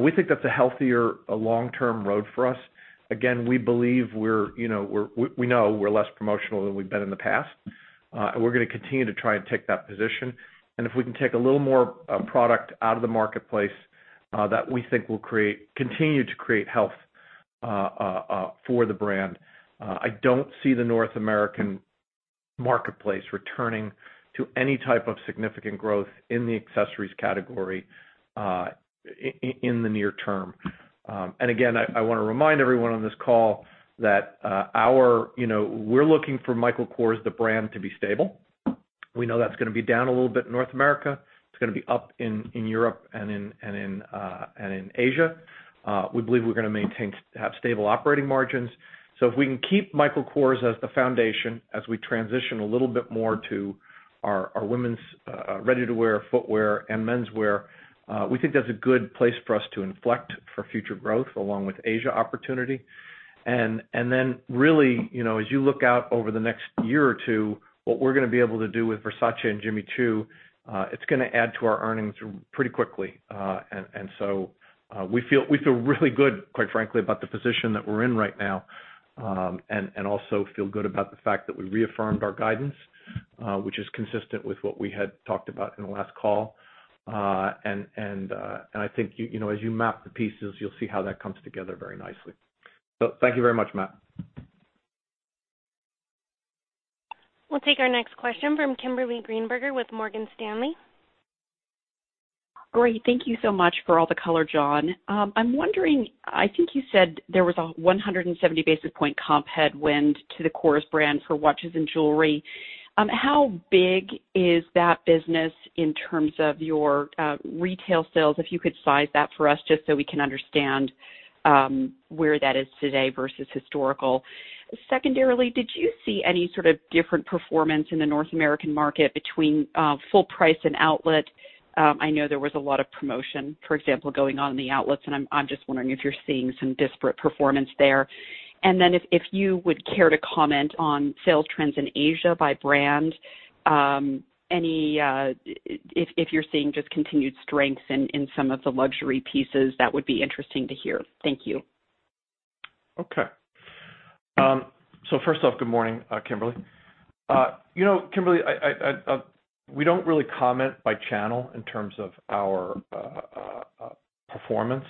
S3: We think that's a healthier long-term road for us. Again, we know we're less promotional than we've been in the past. We're going to continue to try and take that position. If we can take a little more product out of the marketplace, that we think will continue to create health for the brand. I don't see the North American marketplace returning to any type of significant growth in the accessories category in the near term. Again, I want to remind everyone on this call that we're looking for Michael Kors, the brand, to be stable. We know that's going to be down a little bit in North America. It's going to be up in Europe and in Asia. We believe we're going to maintain to have stable operating margins. If we can keep Michael Kors as the foundation as we transition a little bit more to our women's ready-to-wear footwear and menswear, we think that's a good place for us to inflect for future growth along with Asia opportunity. Then really, as you look out over the next year or two, what we're going to be able to do with Versace and Jimmy Choo, it's going to add to our earnings pretty quickly. We feel really good, quite frankly, about the position that we're in right now. Also feel good about the fact that we reaffirmed our guidance, which is consistent with what we had talked about in the last call. I think as you map the pieces, you'll see how that comes together very nicely. Thank you very much, Matt.
S1: We'll take our next question from Kimberly Greenberger with Morgan Stanley.
S7: Great. Thank you so much for all the color, John. I'm wondering, I think you said there was a 170 basis point comp headwind to the Kors brand for watches and jewelry. How big is that business in terms of your retail sales? If you could size that for us just so we can understand where that is today versus historical. Secondarily, did you see any sort of different performance in the North American market between full price and outlet? I know there was a lot of promotion, for example, going on in the outlets, and I'm just wondering if you're seeing some disparate performance there. If you would care to comment on sales trends in Asia by brand, if you're seeing just continued strengths in some of the luxury pieces, that would be interesting to hear. Thank you.
S3: First off, good morning, Kimberly. Kimberly, we don't really comment by channel in terms of our performance.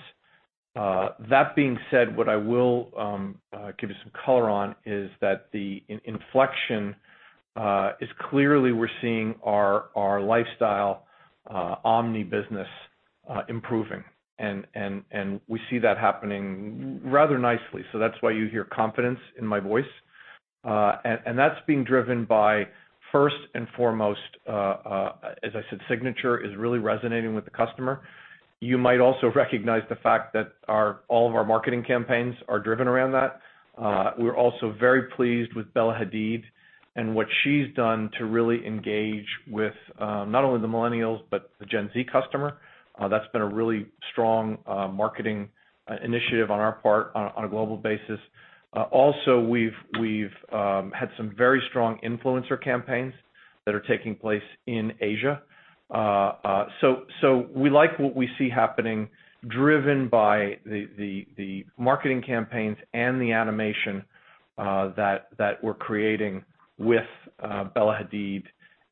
S3: That being said, what I will give you some color on is that the inflection is clearly we're seeing our lifestyle omni business improving, and we see that happening rather nicely. That's why you hear confidence in my voice. That's being driven by, first and foremost, as I said, Signature is really resonating with the customer. You might also recognize the fact that all of our marketing campaigns are driven around that. We're also very pleased with Bella Hadid and what she's done to really engage with not only the millennials, but the Gen Z customer. That's been a really strong marketing initiative on our part on a global basis. We've had some very strong influencer campaigns that are taking place in Asia. We like what we see happening driven by the marketing campaigns and the animation that we're creating with Bella Hadid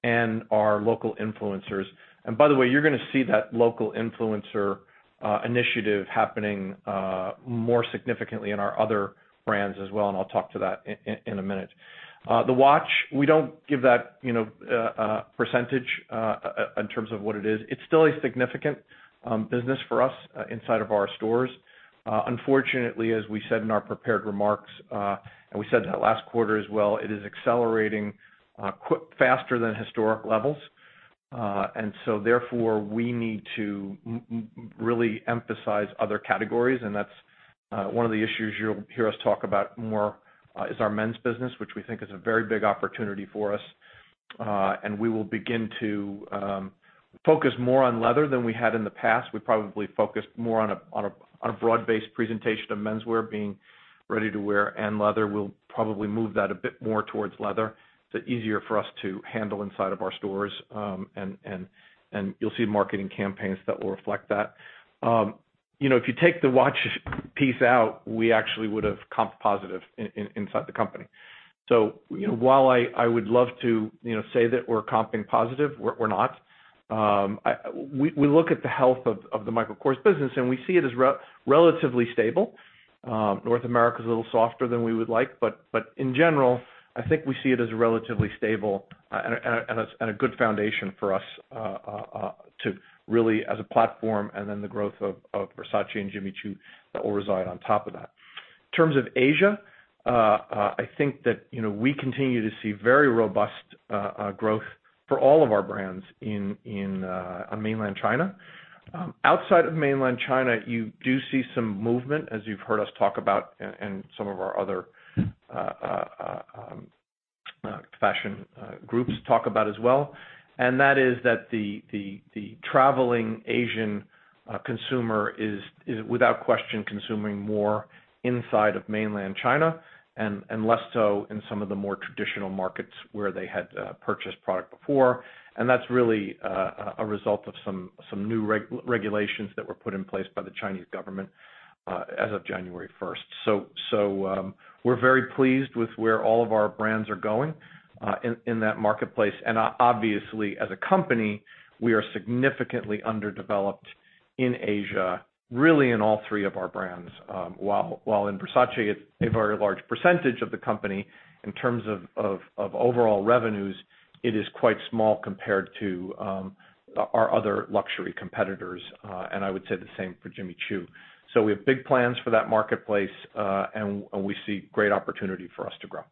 S3: and our local influencers. By the way, you're going to see that local influencer initiative happening more significantly in our other brands as well, I'll talk to that in a minute. The watch, we don't give that percentage in terms of what it is. It's still a significant business for us inside of our stores. Unfortunately, as we said in our prepared remarks, we said it last quarter as well, it is accelerating faster than historic levels. Therefore, we need to really emphasize other categories, that's one of the issues you'll hear us talk about more is our men's business, which we think is a very big opportunity for us. We will begin to focus more on leather than we had in the past. We probably focused more on a broad-based presentation of menswear being ready-to-wear and leather. We'll probably move that a bit more towards leather. It's easier for us to handle inside of our stores, and you'll see marketing campaigns that will reflect that. If you take the watch piece out, we actually would have comped positive inside the company. While I would love to say that we're comping positive, we're not. We look at the health of the Michael Kors business, and we see it as relatively stable. North America is a little softer than we would like, but in general, I think we see it as relatively stable and a good foundation for us to really, as a platform, and then the growth of Versace and Jimmy Choo will reside on top of that. In terms of Asia, I think that we continue to see very robust growth for all of our brands in mainland China. Outside of mainland China, you do see some movement, as you've heard us talk about and some of our other fashion groups talk about as well. That is that the traveling Asian consumer is, without question, consuming more inside of mainland China and less so in some of the more traditional markets where they had purchased product before. That's really a result of some new regulations that were put in place by the Chinese government as of January 1st. We're very pleased with where all of our brands are going in that marketplace. Obviously, as a company, we are significantly underdeveloped in Asia, really in all three of our brands. While in Versace, it's a very large percentage of the company, in terms of overall revenues, it is quite small compared to our other luxury competitors, and I would say the same for Jimmy Choo. We have big plans for that marketplace, and we see great opportunity for us to grow.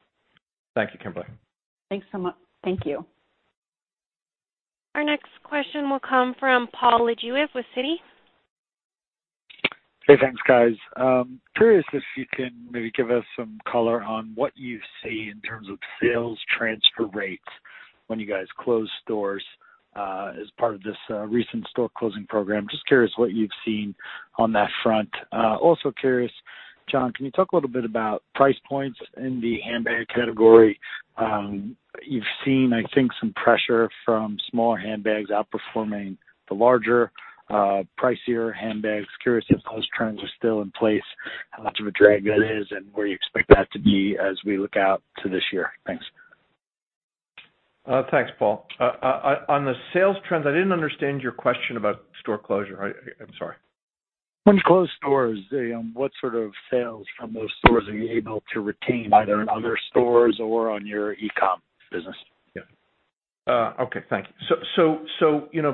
S3: Thank you, Kimberly.
S7: Thanks so much. Thank you.
S1: Our next question will come from Paul Lejuez with Citi.
S8: Hey, thanks, guys. Curious if you can maybe give us some color on what you see in terms of sales transfer rates when you guys close stores as part of this recent store closing program. Just curious what you've seen on that front. Also curious, John, can you talk a little bit about price points in the handbag category? You've seen, I think, some pressure from smaller handbags outperforming the larger, pricier handbags. Curious if those trends are still in place, how much of a drag that is, and where you expect that to be as we look out to this year. Thanks.
S3: Thanks, Paul. On the sales trends, I didn't understand your question about store closure. I'm sorry.
S8: When you close stores, what sort of sales from those stores are you able to retain either in other stores or on your e-comm business?
S3: Yeah. Okay. Thank you.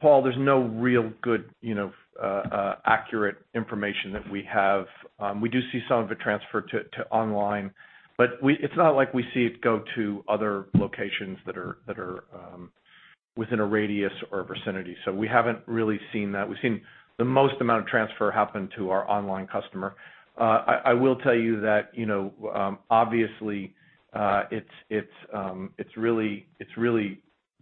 S3: Paul, there's no real good accurate information that we have. We do see some of it transfer to online, but it's not like we see it go to other locations that are within a radius or vicinity. We haven't really seen that. We've seen the most amount of transfer happen to our online customer. I will tell you that, obviously, it's really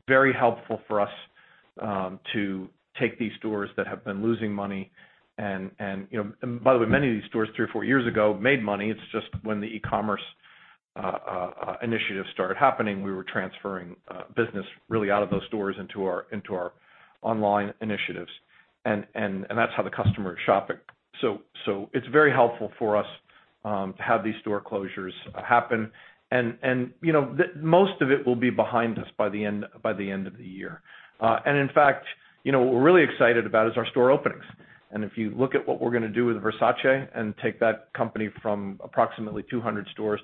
S3: very helpful for us to take these stores that have been losing money. By the way, many of these stores three or four years ago made money. It's just when the e-commerce initiative started happening, we were transferring business really out of those stores into our online initiatives, and that's how the customer is shopping. It's very helpful for us to have these store closures happen. Most of it will be behind us by the end of the year. In fact, what we're really excited about is our store openings. If you look at what we're going to do with Versace and take that company from approximately 200-300 stores,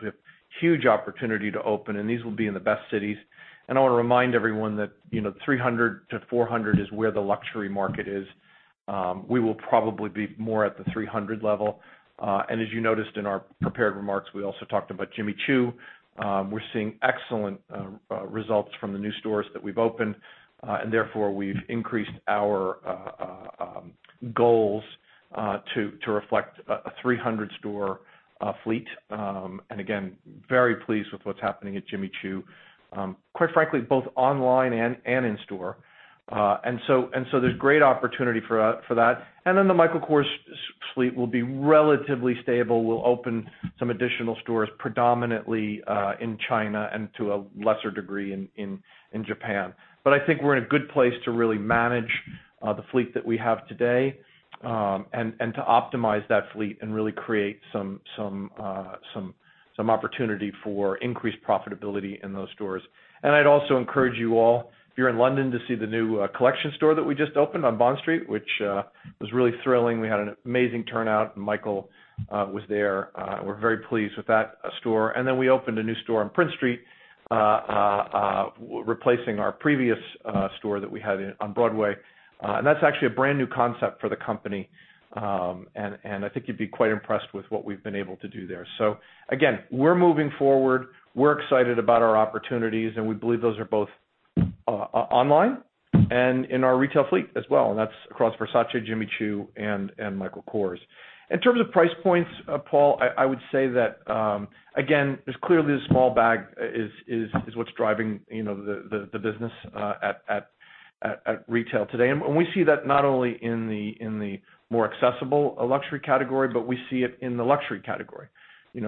S3: we have huge opportunity to open, and these will be in the best cities. I want to remind everyone that 300-400 is where the luxury market is. We will probably be more at the 300 level. As you noticed in our prepared remarks, we also talked about Jimmy Choo. We're seeing excellent results from the new stores that we've opened, and therefore we've increased our goals, to reflect a 300 store fleet. Again, very pleased with what's happening at Jimmy Choo, quite frankly, both online and in store. There's great opportunity for that. The Michael Kors fleet will be relatively stable. We'll open some additional stores, predominantly in China and to a lesser degree in Japan. I think we're in a good place to really manage the fleet that we have today, and to optimize that fleet and really create some opportunity for increased profitability in those stores. I'd also encourage you all, if you're in London, to see the new collection store that we just opened on Bond Street, which was really thrilling. We had an amazing turnout, and Michael was there. We're very pleased with that store. We opened a new store on Prince Street, replacing our previous store that we had on Broadway. That's actually a brand new concept for the company. I think you'd be quite impressed with what we've been able to do there. Again, we're moving forward. We're excited about our opportunities. We believe those are both online and in our retail fleet as well, that's across Versace, Jimmy Choo, and Michael Kors. In terms of price points, Paul, I would say that, again, clearly the small bag is what's driving the business at retail today. We see that not only in the more accessible luxury category, but we see it in the luxury category. The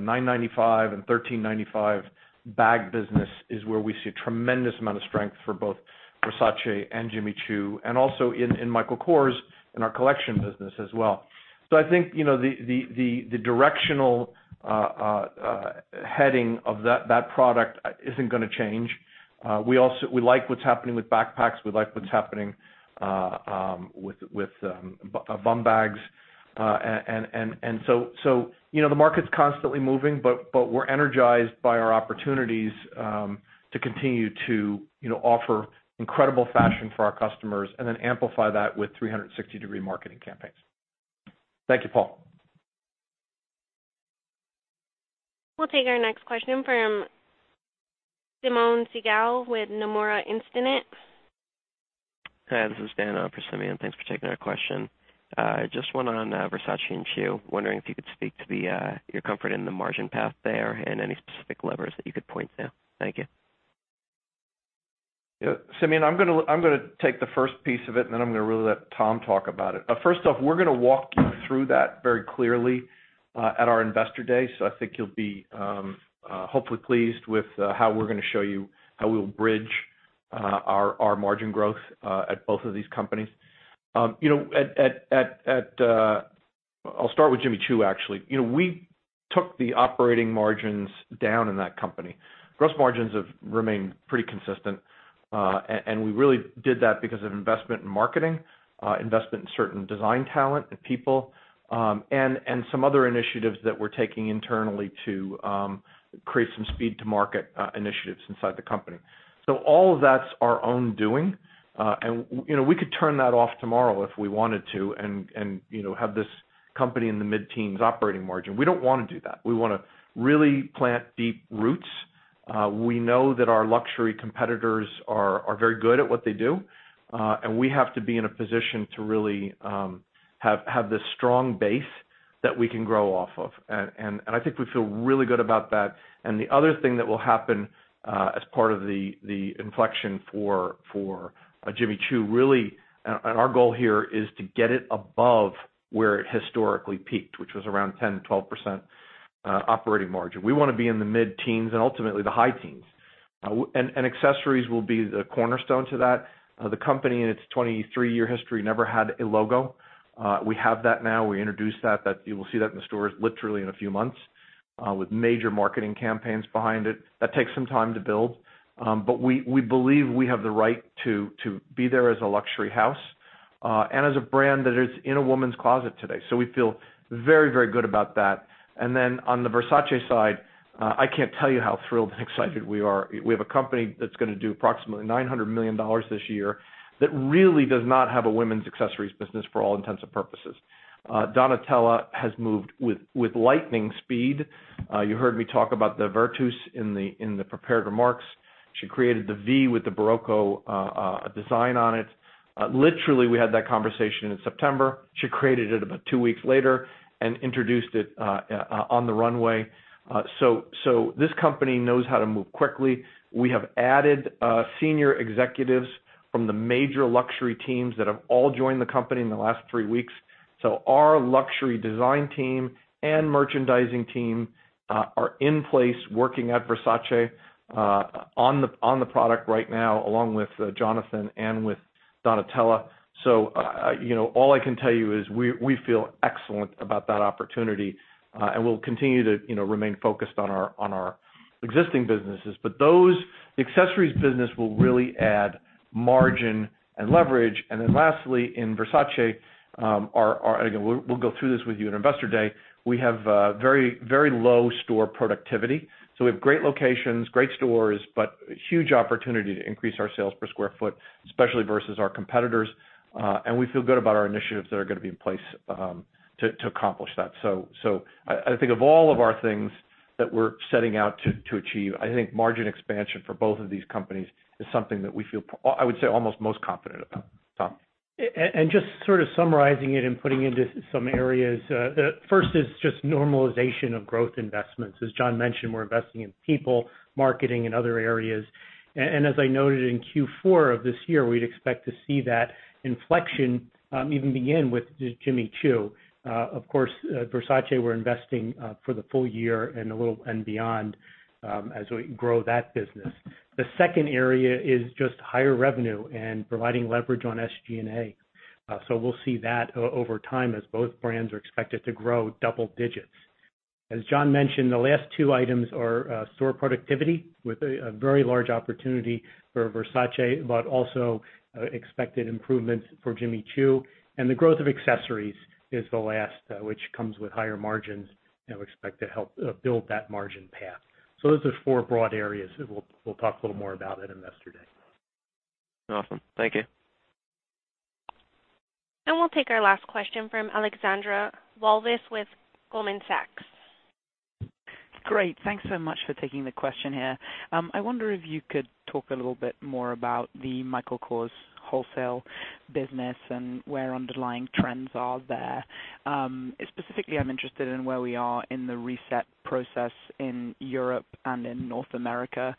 S3: $995 and $1,395 bag business is where we see a tremendous amount of strength for both Versace and Jimmy Choo, and also in Michael Kors in our collection business as well. I think the directional heading of that product isn't going to change. We like what's happening with backpacks. We like what's happening with bum bags. The market's constantly moving, but we're energized by our opportunities to continue to offer incredible fashion for our customers and then amplify that with 360-degree marketing campaigns. Thank you, Paul.
S1: We'll take our next question from Simeon with Nomura Instinet.
S9: Hi, this is Dan on for Simeon. Thanks for taking our question. Just one on Versace and Choo. Wondering if you could speak to your comfort in the margin path there and any specific levers that you could point to. Thank you.
S3: Simeon, I'm going to take the first piece of it, then I'm going to really let Tom talk about it. First off, we're going to walk you through that very clearly at our investor day. I think you'll be hopefully pleased with how we're going to show you how we'll bridge our margin growth at both of these companies. I'll start with Jimmy Choo, actually. We took the operating margins down in that company. Gross margins have remained pretty consistent. We really did that because of investment in marketing, investment in certain design talent and people, and some other initiatives that we're taking internally to create some speed to market initiatives inside the company. All of that's our own doing. We could turn that off tomorrow if we wanted to and have this company in the mid-teens operating margin. We don't want to do that. We want to really plant deep roots. We know that our luxury competitors are very good at what they do. We have to be in a position to really have this strong base that we can grow off of. I think we feel really good about that. The other thing that will happen as part of the inflection for Jimmy Choo, really, and our goal here is to get it above where it historically peaked, which was around 10%-12% operating margin. We want to be in the mid-teens and ultimately the high teens. Accessories will be the cornerstone to that. The company in its 23-year history never had a logo. We have that now. We introduced that. You will see that in the stores literally in a few months, with major marketing campaigns behind it. That takes some time to build. We believe we have the right to be there as a luxury house. And as a brand that is in a woman's closet today. We feel very good about that. On the Versace side, I can't tell you how thrilled and excited we are. We have a company that's going to do approximately $900 million this year that really does not have a women's accessories business for all intents and purposes. Donatella has moved with lightning speed. You heard me talk about the Virtus in the prepared remarks. She created the V with the Barocco design on it. Literally, we had that conversation in September. She created it about two weeks later and introduced it on the runway. This company knows how to move quickly. We have added senior executives from the major luxury teams that have all joined the company in the last three weeks. Our luxury design team and merchandising team are in place working at Versace on the product right now, along with Jonathan and with Donatella. All I can tell you is we feel excellent about that opportunity, and we'll continue to remain focused on our existing businesses. Those accessories business will really add margin and leverage. Lastly, in Versace, again, we'll go through this with you in Investor Day, we have very low store productivity. We have great locations, great stores, but huge opportunity to increase our sales per square foot, especially versus our competitors. We feel good about our initiatives that are going to be in place to accomplish that. I think of all of our things that we're setting out to achieve, I think margin expansion for both of these companies is something that we feel, I would say, almost most confident about. Tom?
S2: Just sort of summarizing it and putting into some areas. First is just normalization of growth investments. As John mentioned, we're investing in people, marketing, and other areas. As I noted in Q4 of this year, we'd expect to see that inflection even begin with Jimmy Choo. Of course, Versace, we're investing for the full year and beyond as we grow that business. The second area is just higher revenue and providing leverage on SG&A. We'll see that over time as both brands are expected to grow double digits. As John mentioned, the last two items are store productivity with a very large opportunity for Versace, but also expected improvements for Jimmy Choo. The growth of accessories is the last, which comes with higher margins and we expect to help build that margin path. Those are four broad areas that we'll talk a little more about at Investor Day.
S9: Awesome. Thank you.
S1: We'll take our last question from Alexandra Walvis with Goldman Sachs.
S10: Great. Thanks so much for taking the question here. I wonder if you could talk a little bit more about the Michael Kors wholesale business and where underlying trends are there. Specifically, I am interested in where we are in the reset process in Europe and in North America.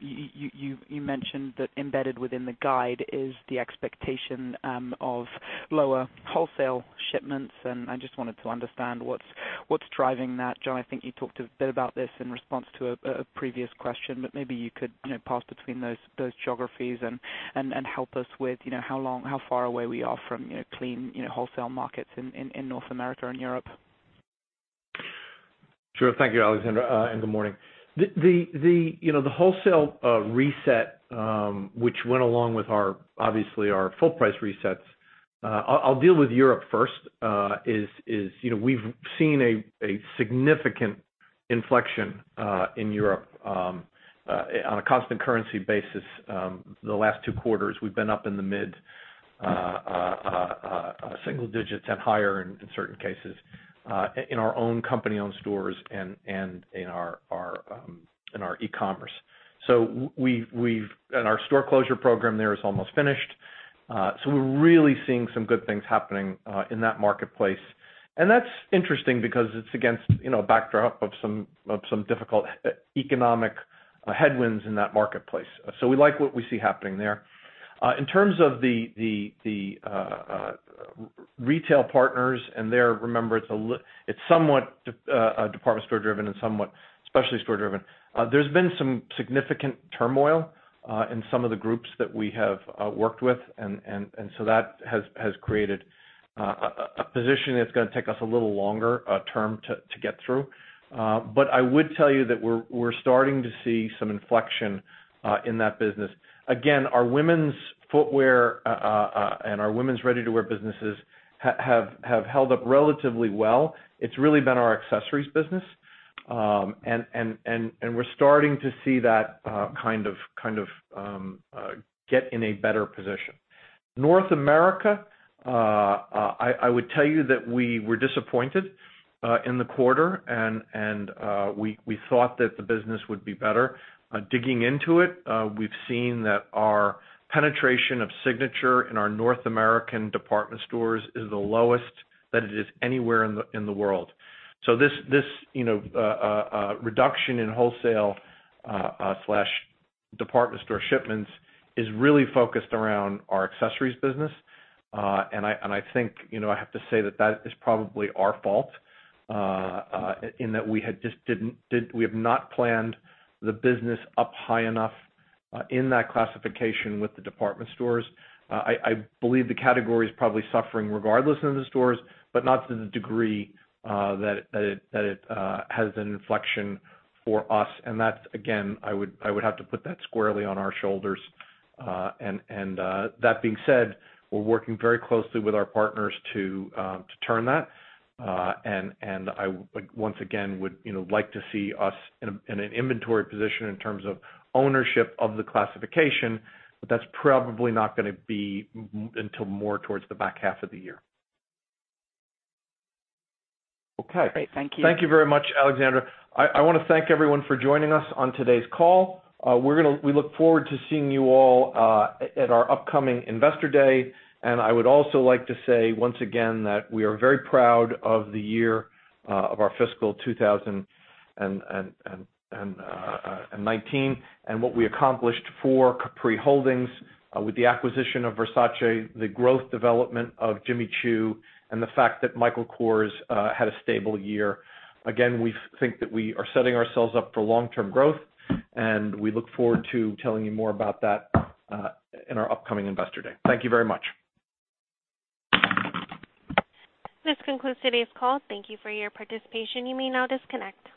S10: You mentioned that embedded within the guide is the expectation of lower wholesale shipments. I just wanted to understand what is driving that. John, I think you talked a bit about this in response to a previous question. Maybe you could pass between those geographies and help us with how far away we are from clean wholesale markets in North America and Europe.
S3: Sure. Thank you, Alexandra. Good morning. The wholesale reset which went along with, obviously, our full price resets. I will deal with Europe first. We have seen a significant inflection in Europe on a constant currency basis. The last two quarters, we have been up in the mid-single digits and higher in certain cases, in our own company-owned stores and in our e-commerce. Our store closure program there is almost finished. We are really seeing some good things happening in that marketplace. That is interesting because it is against a backdrop of some difficult economic headwinds in that marketplace. We like what we see happening there. In terms of the retail partners and there, remember, it is somewhat department store driven and somewhat specialty store driven. There has been some significant turmoil in some of the groups that we have worked with. That has created a position that is going to take us a little longer term to get through. I would tell you that we are starting to see some inflection in that business. Again, our women's footwear and our women's ready-to-wear businesses have held up relatively well. It is really been our accessories business. We are starting to see that get in a better position. North America, I would tell you that we were disappointed in the quarter. We thought that the business would be better. Digging into it, we have seen that our penetration of Signature in our North American department stores is the lowest that it is anywhere in the world. This reduction in wholesale/department store shipments is really focused around our accessories business. I think I have to say that that is probably our fault, in that we have not planned the business up high enough in that classification with the department stores. I believe the category is probably suffering regardless in the stores, not to the degree that it has an inflection for us. That, again, I would have to put that squarely on our shoulders. That being said, we are working very closely with our partners to turn that. I once again would like to see us in an inventory position in terms of ownership of the classification. That is probably not going to be until more towards the back half of the year. Okay.
S10: Great. Thank you.
S3: Thank you very much, Alexandra. I want to thank everyone for joining us on today's call. We look forward to seeing you all at our upcoming Investor Day. I would also like to say, once again, that we are very proud of the year of our fiscal 2019 and what we accomplished for Capri Holdings with the acquisition of Versace, the growth development of Jimmy Choo, and the fact that Michael Kors had a stable year. Again, we think that we are setting ourselves up for long-term growth, and we look forward to telling you more about that in our upcoming Investor Day. Thank you very much.
S1: This concludes today's call. Thank you for your participation. You may now disconnect.